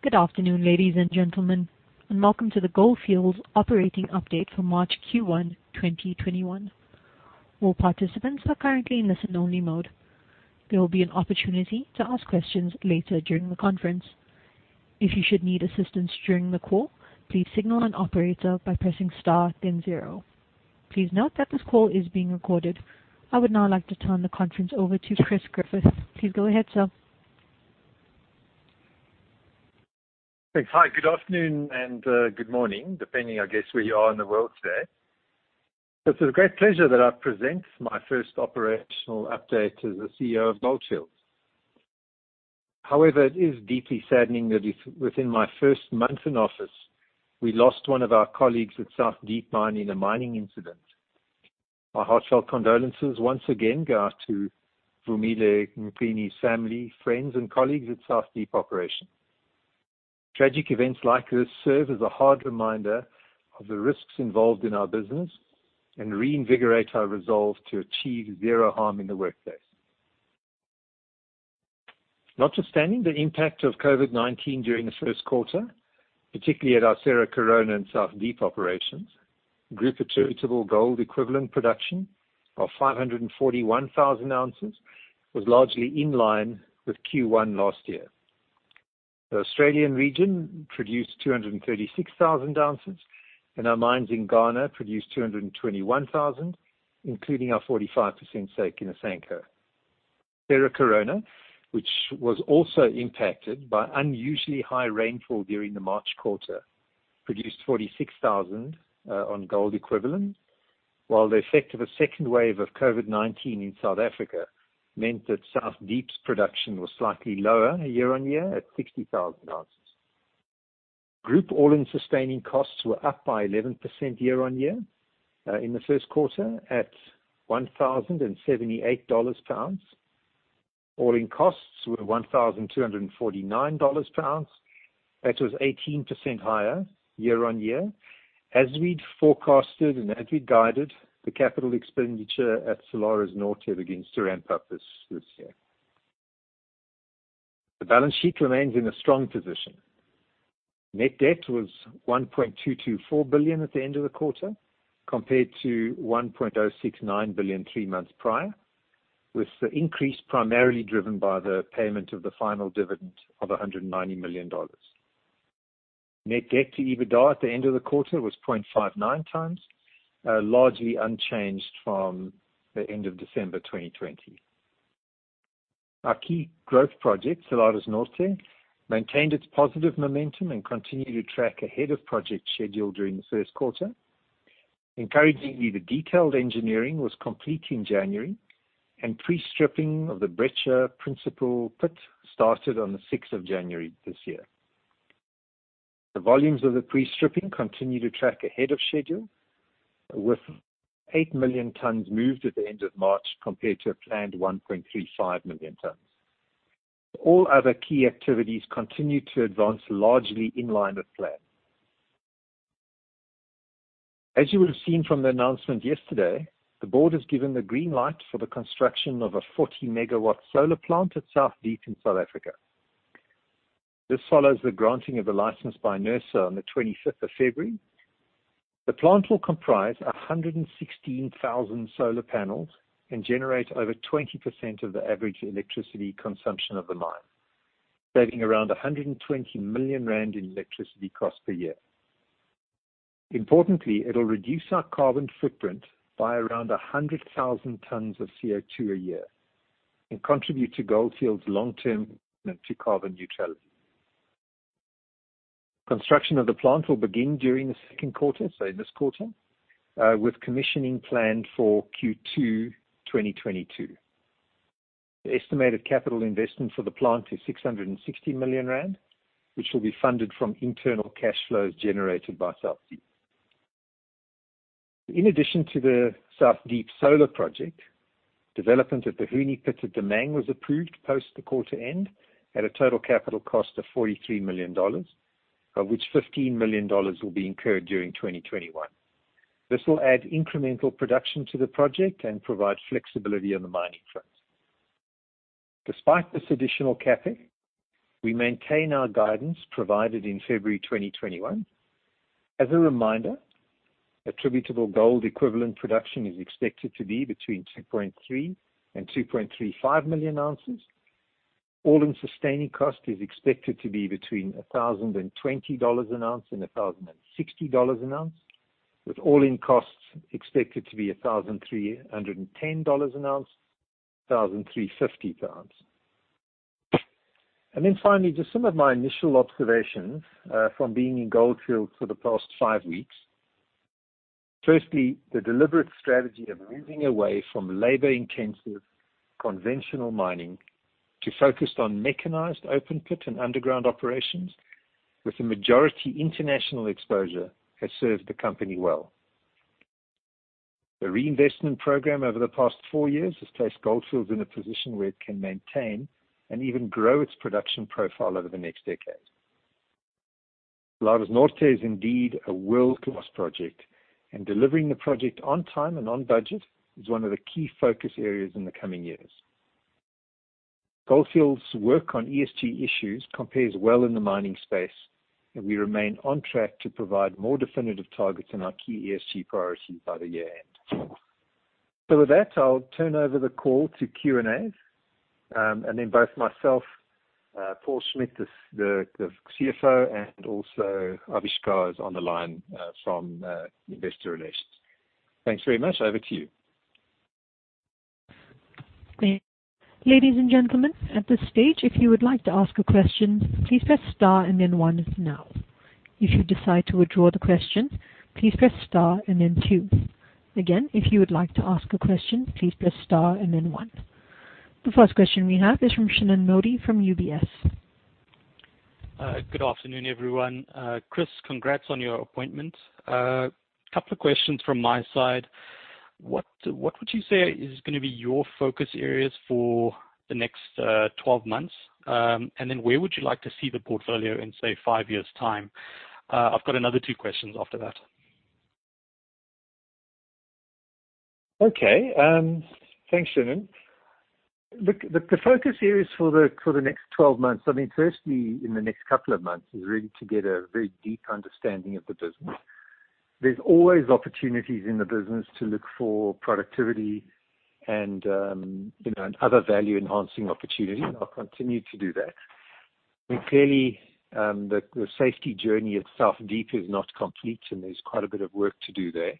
Good afternoon, ladies and gentlemen, welcome to the Gold Fields operating update for March Q1 2021. All participants are currently in listen only mode. There will be an opportunity to ask questions later during the conference. If you should need assistance during the call, please signal an operator by pressing star then zero. Please note that this call is being recorded. I would now like to turn the conference over to Chris Griffith. Please go ahead, sir. Thanks. Hi, good afternoon and good morning, depending, I guess, where you are in the world today. It's with great pleasure that I present my first operational update as the CEO of Gold Fields. However, it is deeply saddening that within my first month in office, we lost one of our colleagues at South Deep Mine in a mining incident. Our heartfelt condolences once again go out to Vumile Mphini's family, friends, and colleagues at South Deep Operation. Tragic events like this serve as a hard reminder of the risks involved in our business and reinvigorate our resolve to achieve zero harm in the workplace. Notwithstanding the impact of COVID-19 during the first quarter, particularly at our Cerro Corona and South Deep operations, group attributable gold equivalent production of 541,000 ounces was largely in line with Q1 last year. The Australian region produced 236,000 ounces, and our mines in Ghana produced 221,000, including our 45% stake in Asanko. Cerro Corona, which was also impacted by unusually high rainfall during the March quarter, produced 46,000 ounces gold equivalent. While the effect of a second wave of COVID-19 in South Africa meant that South Deep's production was slightly lower year-on-year at 60,000 ounces. Group all-in sustaining costs were up by 11% year-on-year in the first quarter at $1,078 per ounce. All-in costs were $1,249 per ounce. That was 18% higher year-on-year. As we'd forecasted and as we'd guided, the capital expenditure at Salares Norte begins to ramp up this year. The balance sheet remains in a strong position. Net debt was $1.224 billion at the end of the quarter, compared to $1.069 billion three months prior, with the increase primarily driven by the payment of the final dividend of $190 million. Net debt to EBITDA at the end of the quarter was 0.59 times, largely unchanged from the end of December 2020. Our key growth project, Salares Norte, maintained its positive momentum and continued to track ahead of project schedule during the first quarter. Encouragingly, the detailed engineering was complete in January, and pre-stripping of the Brecha Principal Pit started on the 6th of January this year. The volumes of the pre-stripping continue to track ahead of schedule, with eight million tons moved at the end of March, compared to a planned 1.35 million tons. All other key activities continue to advance largely in line with plan. As you would've seen from the announcement yesterday, the board has given the green light for the construction of a 40 MW solar plant at South Deep in South Africa. This follows the granting of the license by NERSA on the 25th of February. The plant will comprise 116,000 solar panels and generate over 20% of the average electricity consumption of the mine, saving around 120 million rand in electricity costs per year. Importantly, it'll reduce our carbon footprint by around 100,000 tons of CO2 a year and contribute to Gold Fields' long-term commitment to carbon neutrality. Construction of the plant will begin during the second quarter, so this quarter, with commissioning planned for Q2 2022. The estimated capital investment for the plant is 660 million rand, which will be funded from internal cash flows generated by South Deep. In addition to the South Deep solar project, development at the Huni Pit at Damang was approved post the quarter end at a total capital cost of $43 million, of which $15 million will be incurred during 2021. This will add incremental production to the project and provide flexibility on the mining front. Despite this additional CapEx, we maintain our guidance provided in February 2021. As a reminder, attributable gold equivalent production is expected to be between 2.3 and 2.35 million ounces. all-in sustaining costs is expected to be between $1,020 an ounce and $1,060 an ounce, with all-in costs expected to be $1,310 an ounce to $1,350 per ounce. Finally, just some of my initial observations from being in Gold Fields for the past five weeks. Firstly, the deliberate strategy of moving away from labor-intensive conventional mining to focus on mechanized open pit and underground operations with a majority international exposure has served the company well. The reinvestment program over the past four years has placed Gold Fields in a position where it can maintain and even grow its production profile over the next decade. Salares Norte is indeed a world-class project, and delivering the project on time and on budget is one of the key focus areas in the coming years. Gold Fields' work on ESG issues compares well in the mining space, and we remain on track to provide more definitive targets in our key ESG priorities by the year-end. With that, I'll turn over the call to Q&A. Both myself, Paul Schmidt, the CFO, and also Avishkar is on the line from investor relations. Thanks very much. Over to you. Ladies and gentlemen, at this stage, if you would like to ask a question, please press star and then one now. If you decide to withdraw the question, please press star and then two. Again, if you would like to ask a question, please press star and then one. The first question we have is from Shanu Modi from UBS. Good afternoon, everyone. Chris Griffith, congrats on your appointment. A couple of questions from my side. What would you say is going to be your focus areas for the next 12 months? Where would you like to see the portfolio in, say, five years' time? I've got another two questions after that. Okay. Thanks, Shanu. The focus areas for the next 12 months, firstly, in the next couple of months is really to get a very deep understanding of the business. There's always opportunities in the business to look for productivity and other value-enhancing opportunities. I'll continue to do that. Clearly, the safety journey at South Deep is not complete. There's quite a bit of work to do there.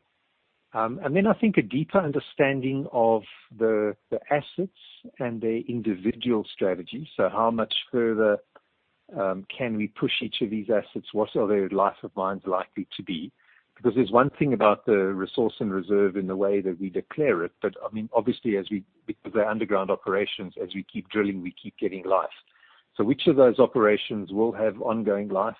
I think a deeper understanding of the assets and their individual strategies. How much further can we push each of these assets? What are their life of mines likely to be? Because there's one thing about the resource and reserve in the way that we declare it, but obviously, because they're underground operations, as we keep drilling, we keep getting life. Which of those operations will have ongoing life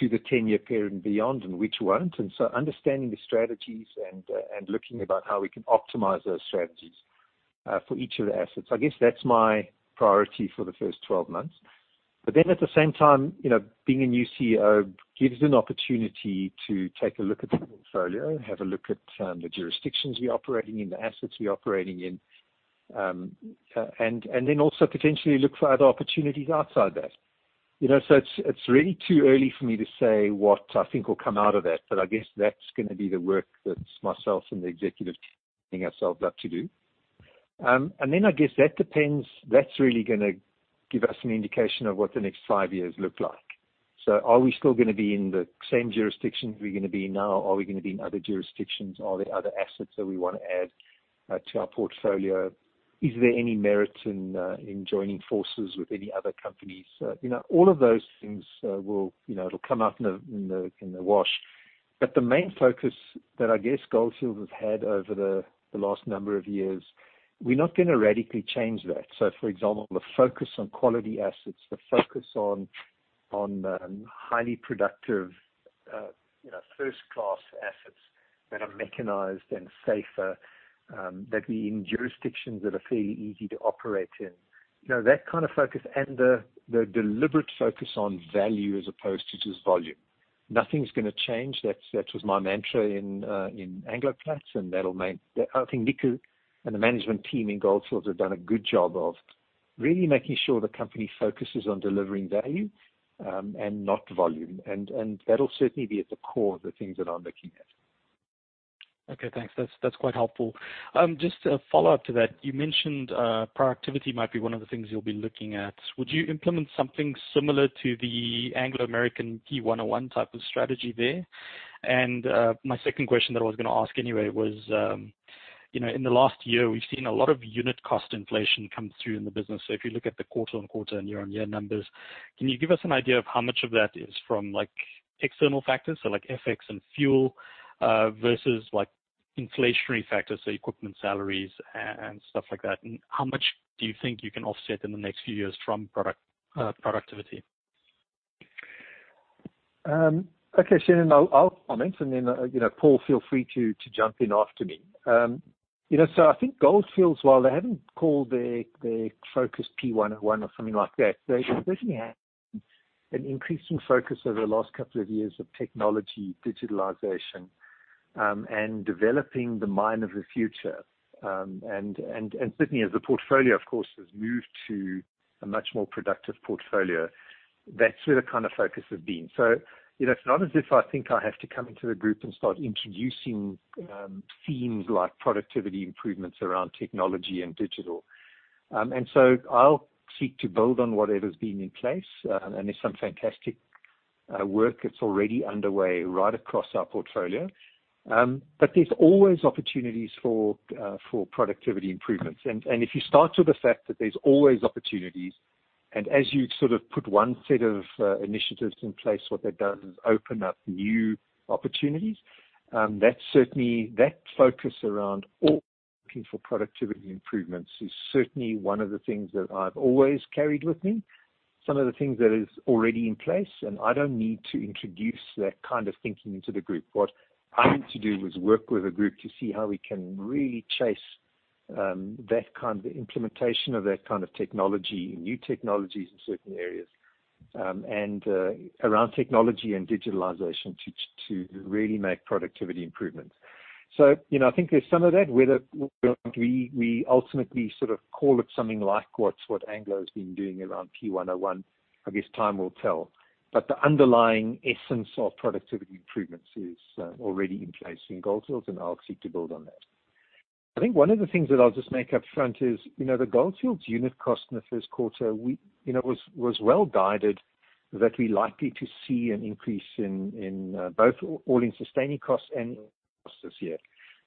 to the 10-year period and beyond and which won't? Understanding the strategies and looking about how we can optimize those strategies for each of the assets. I guess that's my priority for the first 12 months. At the same time, being a new CEO gives an opportunity to take a look at the portfolio and have a look at the jurisdictions we're operating in, the assets we're operating in, and then also potentially look for other opportunities outside that. It's really too early for me to say what I think will come out of that. I guess that's going to be the work that myself and the executive team ourselves love to do. I guess that's really going to give us an indication of what the next five years look like. Are we still going to be in the same jurisdictions we're going to be in now? Are we going to be in other jurisdictions? Are there other assets that we want to add to our portfolio? Is there any merit in joining forces with any other companies? All of those things it'll come out in the wash. The main focus that I guess Gold Fields has had over the last number of years, we're not going to radically change that. For example, the focus on quality assets, the focus on highly productive first-class assets that are mechanized and safer, that being jurisdictions that are fairly easy to operate in. That kind of focus and the deliberate focus on value as opposed to just volume. Nothing's going to change. That was my mantra in Anglo Plat, and I think Nick Holland and the management team in Gold Fields have done a good job of really making sure the company focuses on delivering value and not volume. That'll certainly be at the core of the things that I'm looking at. Okay, thanks. That's quite helpful. Just a follow-up to that. You mentioned productivity might be one of the things you'll be looking at. Would you implement something similar to the Anglo American P101 type of strategy there? My second question that I was going to ask anyway was, in the last year, we've seen a lot of unit cost inflation come through in the business. If you look at the quarter-on-quarter and year-on-year numbers, can you give us an idea of how much of that is from external factors, so like FX and fuel, versus inflationary factors, so equipment, salaries, and stuff like that? How much do you think you can offset in the next few years from productivity? Okay, Shanu, I'll comment, and then, Paul, feel free to jump in after me. I think Gold Fields, while they haven't called their focus P101 or something like that, they certainly have an increasing focus over the last couple of years of technology, digitalization, and developing the mine of the future. Certainly as the portfolio, of course, has moved to a much more productive portfolio, that's where the kind of focus has been. It's not as if I think I have to come into the group and start introducing themes like productivity improvements around technology and digital. I'll seek to build on whatever's been in place, and there's some fantastic work that's already underway right across our portfolio. There's always opportunities for productivity improvements. If you start with the fact that there's always opportunities, and as you sort of put one set of initiatives in place, what that does is open up new opportunities. That focus around always looking for productivity improvements is certainly one of the things that I've always carried with me. Some of the things that is already in place, and I don't need to introduce that kind of thinking into the group. What I need to do is work with the group to see how we can really implement that kind of technology, new technologies in certain areas, and around technology and digitalization to really make productivity improvements. I think there's some of that. Whether we ultimately sort of call it something like what Anglo American has been doing around P101, I guess time will tell. The underlying essence of productivity improvements is already in place in Gold Fields, and I'll seek to build on that. I think one of the things that I'll just make up front is, the Gold Fields unit cost in the first quarter was well-guided, that we're likely to see an increase in both all-in sustaining costs and costs this year.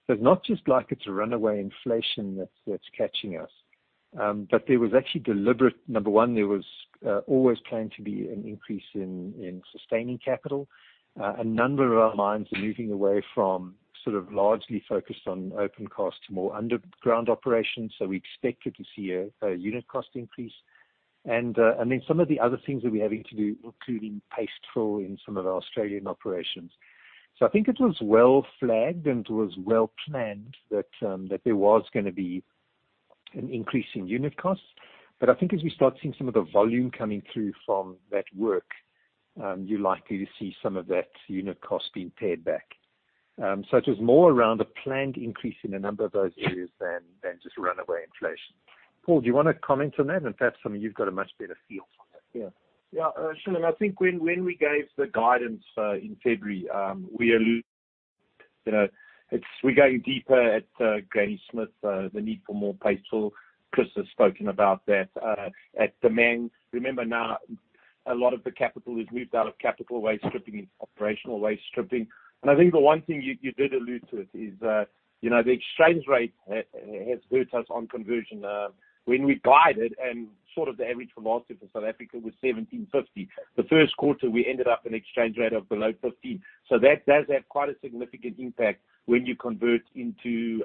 It's not just like it's a runaway inflation that's catching us. There was actually deliberate, number 1, there was always planned to be an increase in sustaining capital. A number of our mines are moving away from sort of largely focused on open pit to more underground operations. We expected to see a unit cost increase. Some of the other things that we're having to do, including paste fill in some of our Australian operations. I think it was well flagged and it was well planned that there was going to be an increase in unit costs. I think as we start seeing some of the volume coming through from that work, you're likely to see some of that unit cost being pared back. It was more around a planned increase in a number of those areas than just runaway inflation. Paul, do you want to comment on that? Perhaps, I mean, you've got a much better feel for that. Yeah. Yeah, sure. I think when we gave the guidance in February, we're going deeper at Granny Smith, the need for more paste fill. Chris has spoken about that. At Damang, remember now, a lot of the capital is moved out of capital waste stripping into operational waste stripping. I think the one thing you did allude to is, the exchange rate has hurt us on conversion. When we guided and sort of the average for last year for South Africa was 17.50. The first quarter, we ended up an exchange rate of below 15. That does have quite a significant impact when you convert into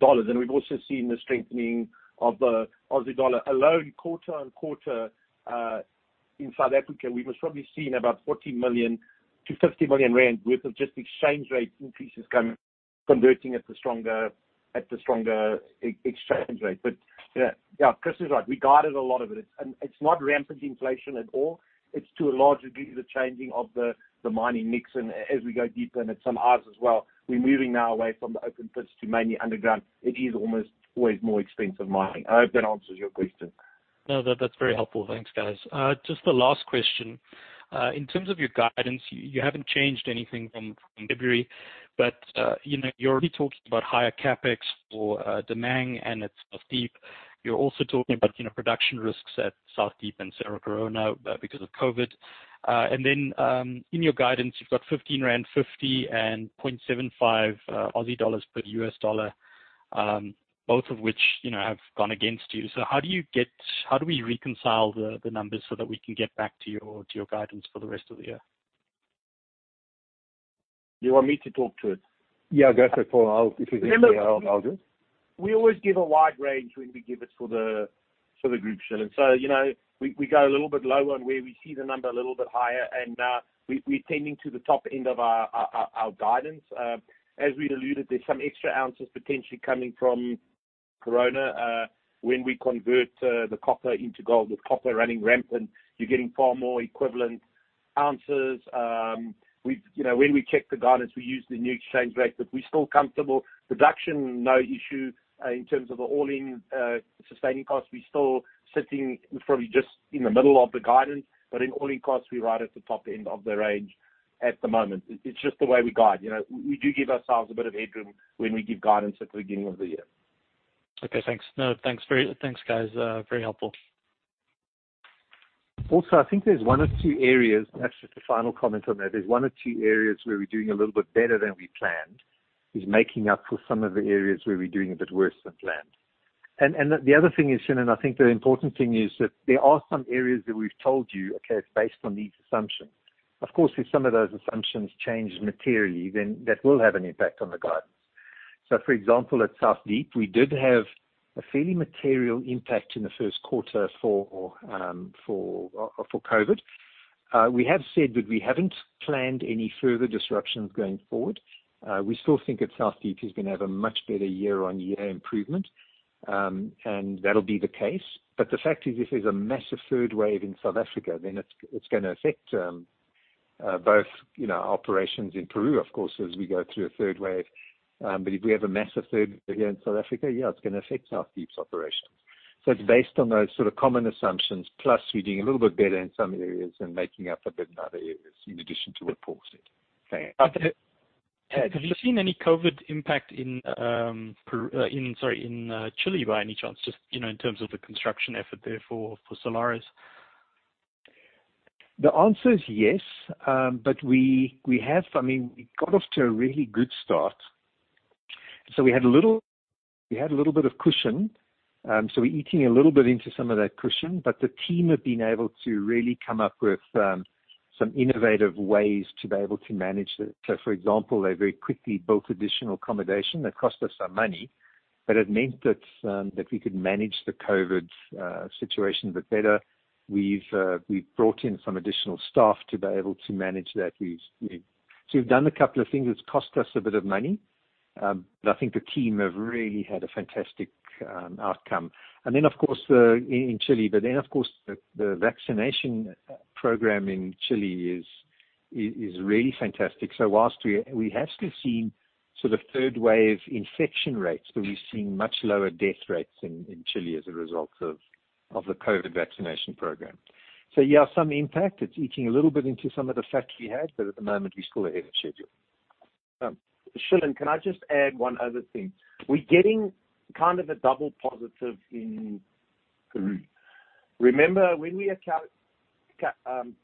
dollars. We've also seen the strengthening of the Aussie dollar. Alone, quarter-on-quarter, in South Africa, we were probably seeing about 40 million-50 million rand worth of just exchange rate increases coming from converting at the stronger exchange rate. Yeah, Chris is right. We guided a lot of it. It's not rampant inflation at all. It's to a large degree, the changing of the mining mix. As we go deeper into some oz as well, we're moving now away from the open pits to mainly underground. It is almost always more expensive mining. I hope that answers your question. No, that's very helpful. Thanks, guys. Just the last question. In terms of your guidance, you haven't changed anything from February, but you're already talking about higher CapEx for Damang and at South Deep. You're also talking about production risks at South Deep and Cerro Corona because of COVID. In your guidance, you've got 15.50 rand and 0.75 Aussie dollars per US dollar, both of which have gone against you. How do we reconcile the numbers so that we can get back to your guidance for the rest of the year? You want me to talk to it? Yeah, go for it, Paul. If you think I'll do it. We always give a wide range when we give it for the group share. We go a little bit lower on where we see the number a little bit higher, and we're tending to the top end of our guidance. As we'd alluded, there's some extra ounces potentially coming from Corona. When we convert the copper into gold, with copper running rampant, you're getting far more equivalent ounces. When we check the guidance, we use the new exchange rate, but we're still comfortable. Production, no issue. In terms of the all-in sustaining cost, we're still sitting probably just in the middle of the guidance, but in all-in costs, we're right at the top end of the range at the moment. It's just the way we guide. We do give ourselves a bit of headroom when we give guidance at the beginning of the year. Okay, thanks. No, thanks, guys. Very helpful. I think there's one or two areas. Perhaps just a final comment on that. There's one or two areas where we're doing a little bit better than we planned, is making up for some of the areas where we're doing a bit worse than planned. The other thing is, Shanu, I think the important thing is that there are some areas that we've told you, okay, it's based on these assumptions. Of course, if some of those assumptions change materially, then that will have an impact on the guidance. For example, at South Deep, we did have a fairly material impact in the first quarter for COVID. We have said that we haven't planned any further disruptions going forward. We still think that South Deep is going to have a much better year-on-year improvement, and that'll be the case. The fact is, if there's a massive third wave in South Africa, then it's going to affect both operations in Peru, of course, as we go through a third wave. If we have a massive third wave here in South Africa, yeah, it's going to affect South Deep's operations. It's based on those sort of common assumptions, plus we're doing a little bit better in some areas and making up a bit in other areas in addition to what Paul said. Have you seen any COVID impact in Chile by any chance, just in terms of the construction effort there for Salares Norte? The answer is yes. We got off to a really good start. We had a little bit of cushion. We're eating a little bit into some of that cushion. The team have been able to really come up with some innovative ways to be able to manage this. For example, they very quickly built additional accommodation that cost us some money. But it meant that we could manage the COVID-19 situation a bit better. We've brought in some additional staff to be able to manage that. We've done a couple of things that's cost us a bit of money, but I think the team have really had a fantastic outcome. Of course, in Chile. Of course, the vaccination program in Chile is really fantastic. Whilst we have still seen sort of third wave infection rates, we've seen much lower death rates in Chile as a result of the COVID-19 vaccination program. Yeah, some impact. It's eating a little bit into some of the fats we had, but at the moment we're still ahead of schedule. Shanu, can I just add one other thing? We're getting kind of a double positive in Peru. Remember when we calculated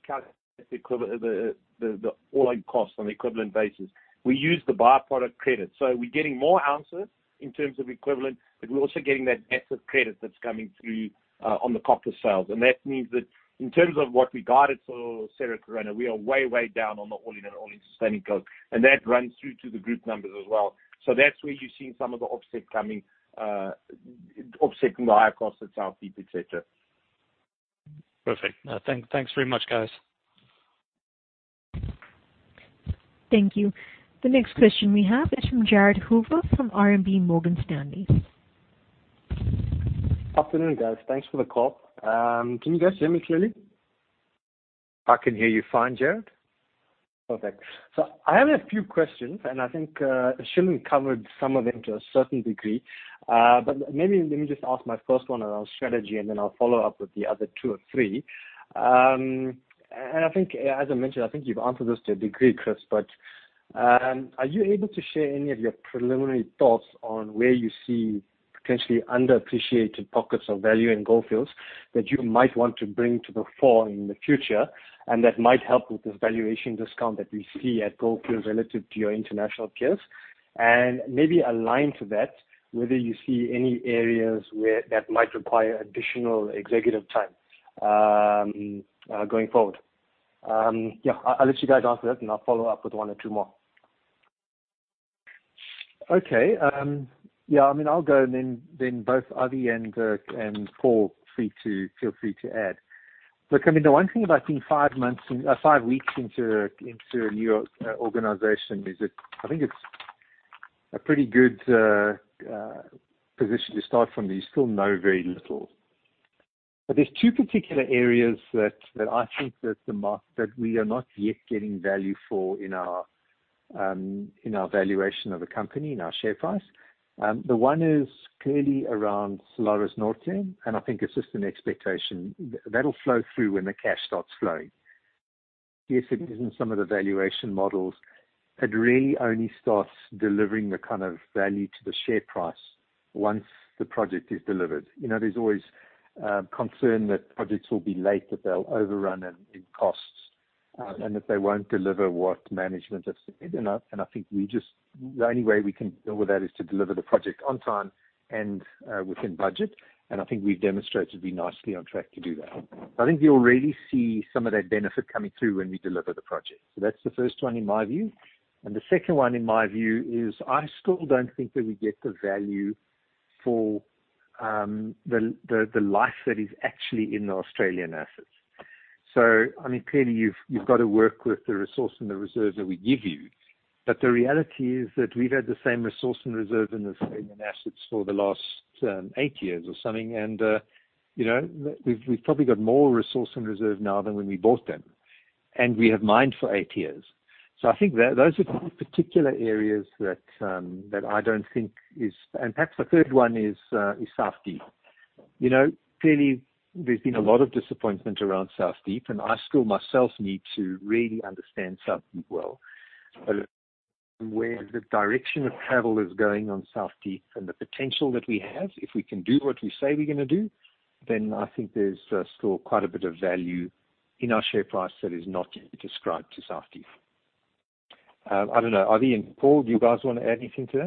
the all-in costs on the equivalent basis, we used the by-product credit. We're getting more ounces in terms of equivalent, but we're also getting that massive credit that's coming through on the copper sales. That means that in terms of what we guided for Cerro Corona, we are way down on the all-in and all-in sustaining costs, and that runs through to the group numbers as well. That's where you're seeing some of the offset coming, offsetting the higher costs at South Deep, et cetera. Perfect. Thanks very much, guys. Thank you. The next question we have is from Jared Hoover from RMB Morgan Stanley. Afternoon, guys. Thanks for the call. Can you guys hear me clearly? I can hear you fine, Jared. Perfect. I have a few questions, and I think Shanu covered some of them to a certain degree. Maybe let me just ask my first one around strategy, and then I'll follow up with the other two or three. I think as I mentioned, I think you've answered this to a degree, Chris, but are you able to share any of your preliminary thoughts on where you see potentially underappreciated pockets of value in Gold Fields that you might want to bring to the fore in the future, and that might help with this valuation discount that we see at Gold Fields relative to your international peers? Maybe aligned to that, whether you see any areas where that might require additional executive time going forward. I'll let you guys answer that and I'll follow up with one or two more. Okay. I'll go and then both Avi and Paul feel free to add. Look, I mean, the one thing about being five weeks into a new organization is that I think it's a pretty good position to start from, that you still know very little. There's two particular areas that I think that we are not yet getting value for in our valuation of the company, in our share price. The one is clearly around Salares Norte, and I think it's just an expectation that'll flow through when the cash starts flowing. Yes, it is in some of the valuation models. It really only starts delivering the kind of value to the share price once the project is delivered. There's always concern that projects will be late, that they'll overrun in costs, and that they won't deliver what management has said. I think the only way we can deal with that is to deliver the project on time and within budget. I think we've demonstrated we're nicely on track to do that. I think you'll really see some of that benefit coming through when we deliver the project. That's the first one in my view. The second one in my view is I still don't think that we get the value for the life that is actually in the Australian assets. Clearly you've got to work with the resource and the reserves that we give you. The reality is that we've had the same resource and reserve in Australian assets for the last eight years or something, and we've probably got more resource and reserve now than when we bought them. We have mined for eight years. I think those are two particular areas that I don't think is and perhaps the third one is South Deep. Clearly there's been a lot of disappointment around South Deep, and I still myself need to really understand South Deep well. Where the direction of travel is going on South Deep and the potential that we have, if we can do what we say we're going to do, then I think there's still quite a bit of value in our share price that is not yet ascribed to South Deep. I don't know. Avi and Paul, do you guys want to add anything to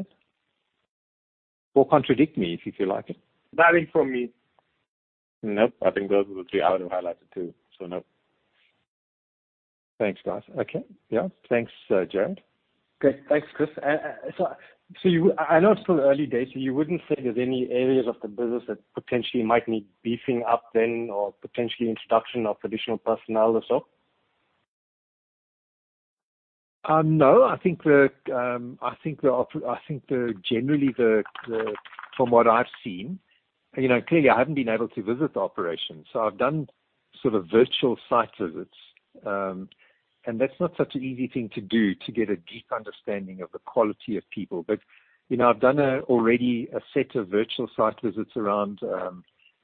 that? Contradict me if you feel like it. Valuable from me. Nope. I think those were the three I would have highlighted, too. Nope. Thanks, guys. Okay. Yeah. Thanks, Jared. Great. Thanks, Chris. I know it's still early days, so you wouldn't say there's any areas of the business that potentially might need beefing up then or potentially introduction of traditional personnel or so? No. I think generally, from what I've seen, clearly I haven't been able to visit the operation, so I've done sort of virtual site visits. That's not such an easy thing to do to get a deep understanding of the quality of people. I've done already a set of virtual site visits around,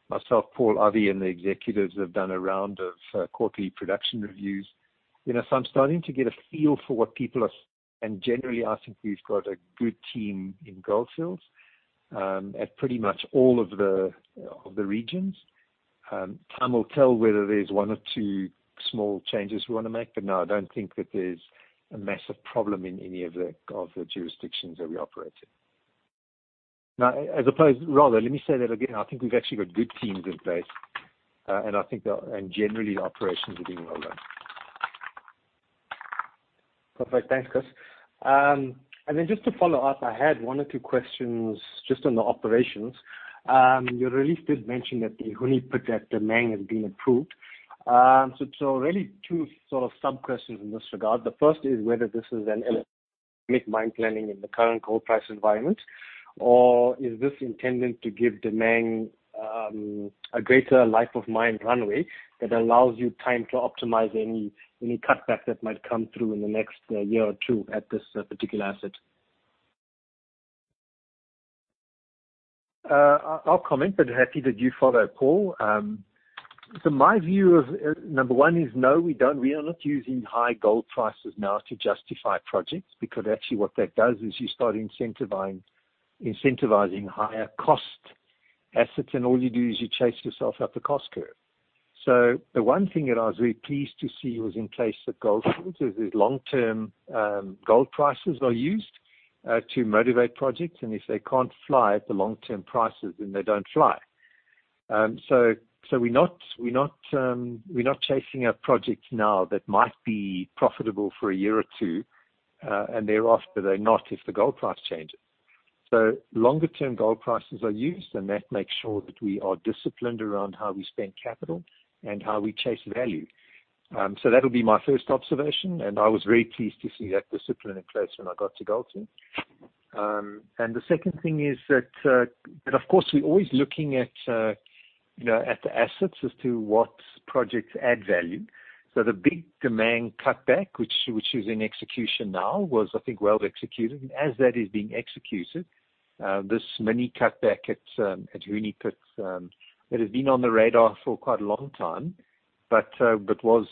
myself, Paul, Avi, and the executives have done a round of quarterly production reviews. I'm starting to get a feel for what people are. Generally, I think we've got a good team in Gold Fields at pretty much all of the regions. Time will tell whether there's one or two small changes we want to make. No, I don't think that there's a massive problem in any of the jurisdictions that we operate in. Rather, let me say that again. I think we've actually got good teams in place. Generally, the operations are doing well there. Perfect. Thanks, Chris. Just to follow up, I had one or two questions just on the operations. Your release did mention that the Huni Pit at Damang has been approved. Really two sort of sub-questions in this regard. The first is whether this is an element mine planning in the current gold price environment, or is this intended to give Damang a greater life of mine runway that allows you time to optimize any cutback that might come through in the next year or two at this particular asset? I'll comment, but happy to let you follow, Paul. My view of number one is no, we are not using high gold prices now to justify projects, because actually what that does is you start incentivizing higher cost assets, and all you do is you chase yourself up a cost curve. The one thing that I was very pleased to see was in place at Gold Fields, is that long-term gold prices are used to motivate projects, and if they can't fly at the long-term prices, then they don't fly. We're not chasing up projects now that might be profitable for a year or two, and thereafter they're not if the gold price changes. Longer-term gold prices are used, and that makes sure that we are disciplined around how we spend capital and how we chase value. That'll be my first observation, I was very pleased to see that discipline in place when I got to Gold Fields. The second thing is that, of course, we're always looking at the assets as to what projects add value. The big Damang cutback, which is in execution now, was, I think, well executed. As that is being executed, this mini-cutback at Huni Pit, that has been on the radar for quite a long time, but was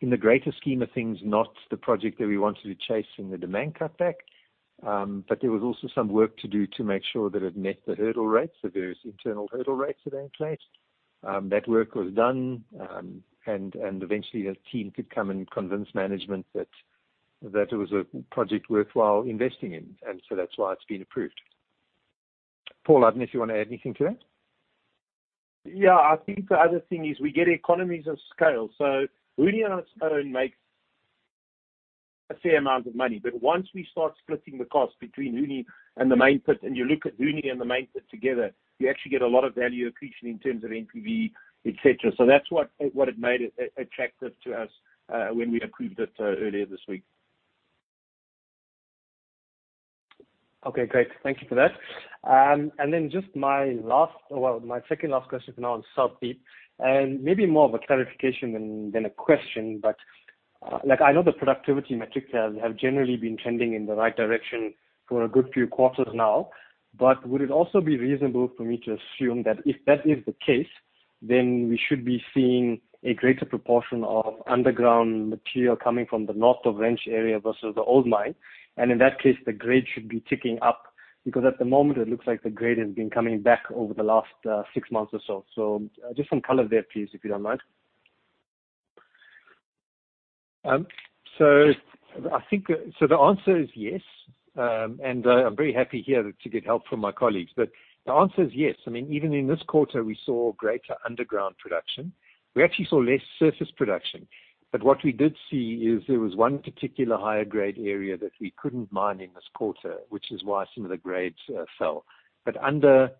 in the greater scheme of things, not the project that we wanted to chase in the Damang cutback. There was also some work to do to make sure that it met the hurdle rates, the various internal hurdle rates that are in place. That work was done, eventually, a team could come and convince management that it was a project worthwhile investing in. That's why it's been approved. Paul, I don't know if you want to add anything to that. Yeah, I think the other thing is we get economies of scale. Huni on its own makes a fair amount of money. Once we start splitting the cost between Huni and the main pit, and you look at Huni and the main pit together, you actually get a lot of value accretion in terms of NPV, et cetera. That's what it made it attractive to us when we approved it earlier this week. Okay, great. Thank you for that. Then just my last, well, my second last question now on South Deep, and maybe more of a clarification than a question, but I know the productivity metrics have generally been trending in the right direction for a good few quarters now, but would it also be reasonable for me to assume that if that is the case, then we should be seeing a greater proportion of underground material coming from the North of Wrench area versus the old mine? In that case, the grade should be ticking up, because at the moment it looks like the grade has been coming back over the last six months or so. Just some color there, please, if you don't mind. I think, so the answer is yes, and I'm very happy here to get help from my colleagues. The answer is yes. I mean, even in this quarter, we saw greater underground production. We actually saw less surface production. What we did see is there was one particular higher grade area that we couldn't mine in this quarter, which is why some of the grades fell. Under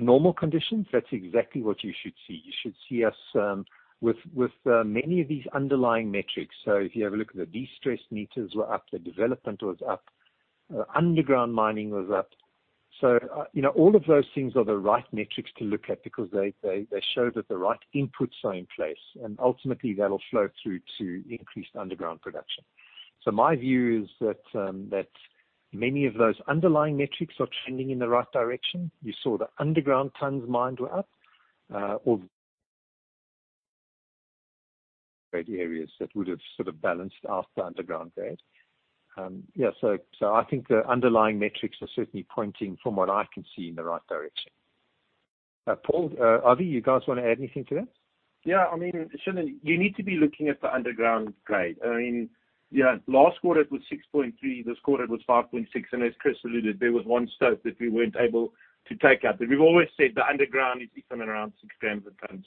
normal conditions, that's exactly what you should see. You should see us with many of these underlying metrics. If you have a look at the de-stress meters were up, the development was up, underground mining was up. All of those things are the right metrics to look at because they show that the right inputs are in place, and ultimately, that'll flow through to increased underground production. My view is that many of those underlying metrics are trending in the right direction. You saw the underground tons mined were up or grade areas that would have sort of balanced out the underground grade. Yeah, I think the underlying metrics are certainly pointing, from what I can see, in the right direction. Paul, Avi, you guys want to add anything to that? I mean, you need to be looking at the underground grade. I mean, last quarter it was 6.3, this quarter it was 5.6. As Chris alluded, there was one stope that we weren't able to take out. We've always said the underground is somewhere around six grams a ton.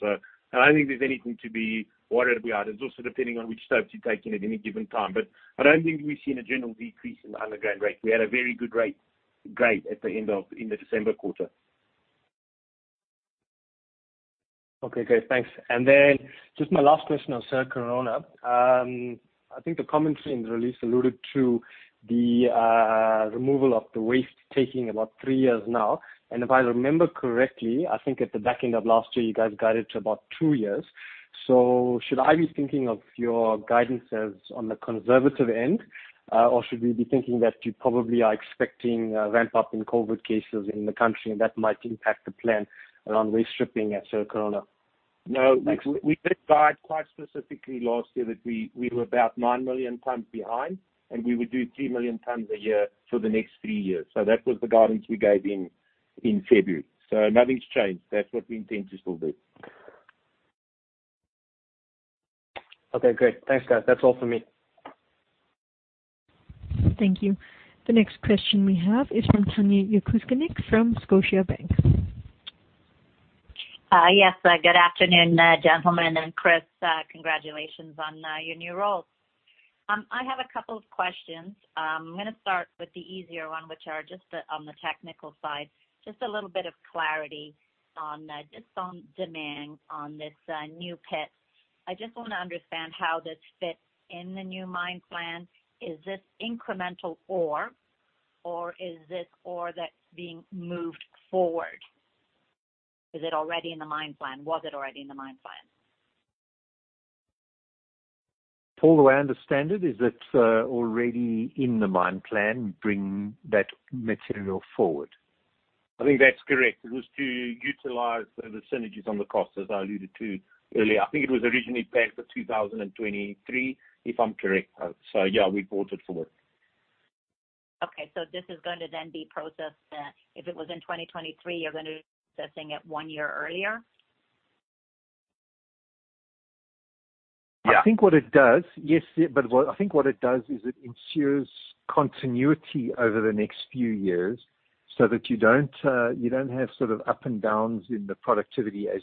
I don't think there's anything to be worried about. It's also depending on which stopes you're taking at any given time. I don't think we've seen a general decrease in the underground rate. We had a very good rate, grade in the December quarter. Okay, great. Thanks. Just my last question on Cerro Corona. I think the commentary in the release alluded to the removal of the waste taking about three years now. I think at the back end of last year, you guys got it to about two years. Should I be thinking of your guidance as on the conservative end, or should we be thinking that you probably are expecting a ramp-up in COVID-19 cases in the country and that might impact the plan around waste stripping at Cerro Corona? No. Thanks. We did guide quite specifically last year that we were about 9 million tons behind and we would do 3 million tons a year for the next three years. That was the guidance we gave in February. Nothing's changed. That's what we intend to still do. Okay, great. Thanks, guys. That's all for me. Thank you. The next question we have is from Tanya Jakusconek from Scotiabank. Yes. Good afternoon, gentlemen. Chris, congratulations on your new role. I have two questions. I'm going to start with the easier one, which are just on the technical side. Just a little bit of clarity on Damang, on this new pit. I just want to understand how this fits in the new mine plan. Is this incremental ore, or is this ore that's being moved forward? Is it already in the mine plan? Was it already in the mine plan? Paul, the way I understand it is that already in the mine plan, bring that material forward. I think that's correct. It was to utilize the synergies on the cost, as I alluded to earlier. I think it was originally planned for 2023, if I'm correct. Yeah, we brought it forward. Okay. This is going to then be processed, if it was in 2023, you're going to be processing it one year earlier? Yeah. I think what it does is it ensures continuity over the next few years so that you don't have sort of up and downs in the productivity as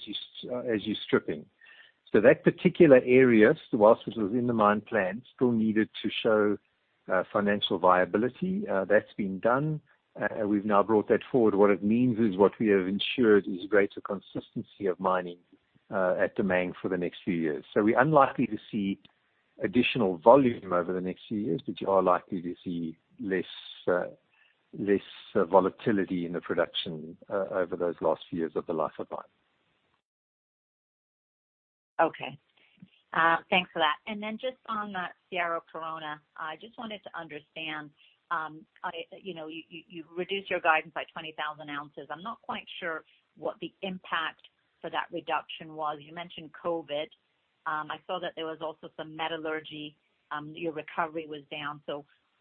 you're stripping. That particular area, whilst it was in the mine plan, still needed to show financial viability. That's been done. We've now brought that forward. What it means is what we have ensured is greater consistency of mining at Damang for the next few years. We're unlikely to see additional volume over the next few years, but you are likely to see less volatility in the production over those last few years of the life of mine. Okay. Thanks for that. Just on that Cerro Corona, I just wanted to understand. You've reduced your guidance by 20,000 ounces. I'm not quite sure what the impact for that reduction was. You mentioned COVID. I saw that there was also some metallurgy. Your recovery was down.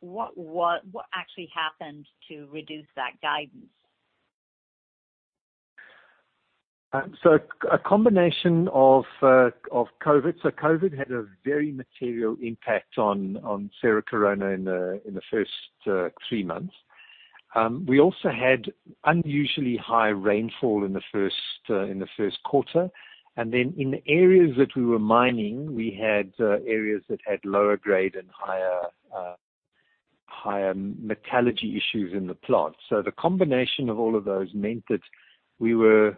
What actually happened to reduce that guidance? A combination of COVID. COVID had a very material impact on Cerro Corona in the first three months. We also had unusually high rainfall in the first quarter. In the areas that we were mining, we had areas that had lower grade and higher metallurgy issues in the plant. The combination of all of those meant that we were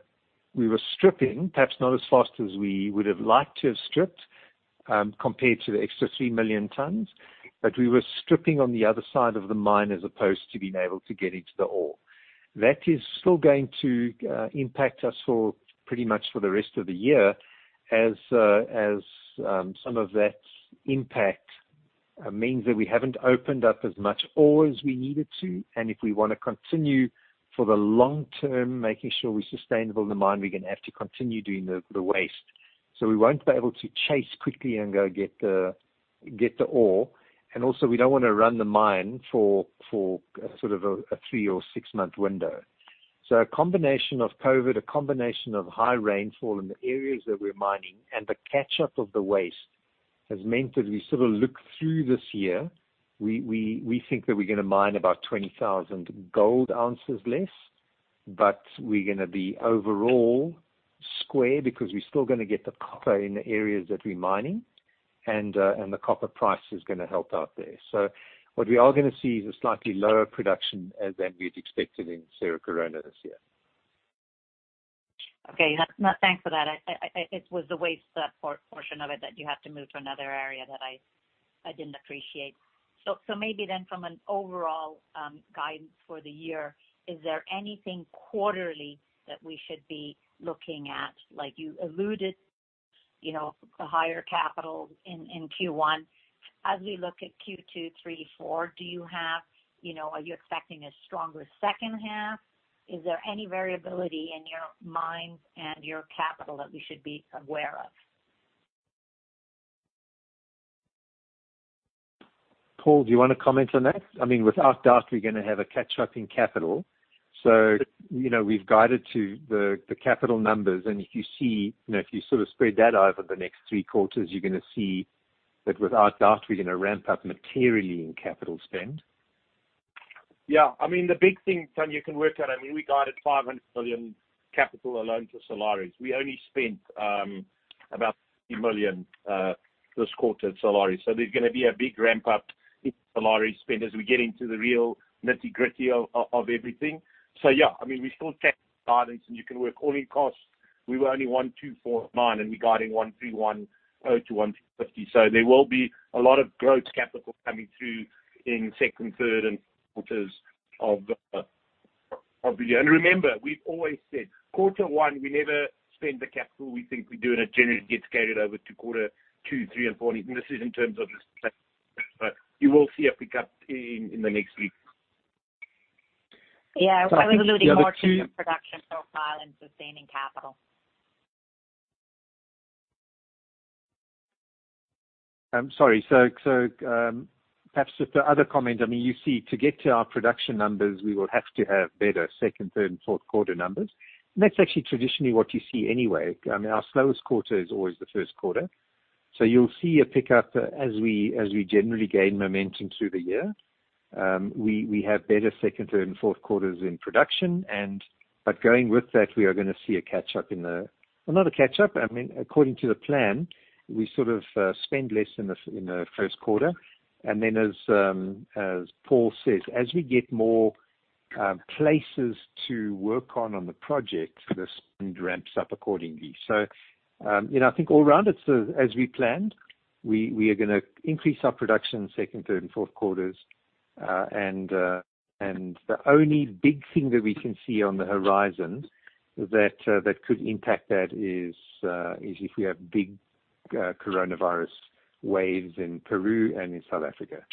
stripping, perhaps not as fast as we would have liked to have stripped, compared to the extra 3 million tons, but we were stripping on the other side of the mine as opposed to being able to get into the ore. That is still going to impact us for pretty much for the rest of the year, as some of that impact means that we haven't opened up as much ore as we needed to. If we want to continue for the long term, making sure we're sustainable in the mine, we're going to have to continue doing the waste. We won't be able to chase quickly and go get the ore. Also, we don't want to run the mine for a three or six-month window. A combination of COVID-19, a combination of high rainfall in the areas that we're mining, and the catch-up of the waste has meant that we sort of look through this year. We think that we're going to mine about 20,000 gold ounces less, but we're going to be overall square because we're still going to get the copper in the areas that we're mining and the copper price is going to help out there. What we are going to see is a slightly lower production than we had expected in Cerro Corona this year. Okay. Thanks for that. It was the waste portion of it that you have to move to another area that I didn't appreciate. Maybe then from an overall guidance for the year, is there anything quarterly that we should be looking at? Like you alluded, the higher capital in Q1. As we look at Q2, 3, 4, are you expecting a stronger second half? Is there any variability in your mines and your capital that we should be aware of? Paul, do you want to comment on that? I mean, without doubt, we're going to have a catch-up in capital. We've guided to the capital numbers, and if you sort of spread that over the next three quarters, you're going to see that without doubt, we're going to ramp up materially in capital spend. I mean, the big thing, Tanya, you can work on, I mean, we guided $500 million capital alone for Salares. We only spent about $50 million this quarter at Salares. There's going to be a big ramp-up in Salares spend as we get into the real nitty-gritty of everything. I mean, we still take guidance, and you can work all-in costs. We were only $1,249, and we're guiding $1,310-$1,350. There will be a lot of growth capital coming through in second, third, and fourth quarters of the year. Remember, we've always said, quarter one, we never spend the capital we think we do, and it generally gets carried over to quarter two, three, and four. This is in terms of this plan. You will see a pickup in the next week. Yeah. I was alluding more to the production profile and sustaining capital. I'm sorry. Perhaps just a other comment. I mean, you see, to get to our production numbers, we will have to have better second, third, and fourth quarter numbers. That's actually traditionally what you see anyway. I mean, our slowest quarter is always the first quarter. You'll see a pickup as we generally gain momentum through the year. We have better second and fourth quarters in production. Going with that, we are going to see a catch-up in the Well, not a catch-up, according to the plan, we sort of spend less in the first quarter. As Paul says, as we get more places to work on the project, the spend ramps up accordingly. I think all round it's as we planned. We are going to increase our production second, third, and fourth quarters. The only big thing that we can see on the horizon that could impact that is if we have big coronavirus waves in Peru and in South Africa.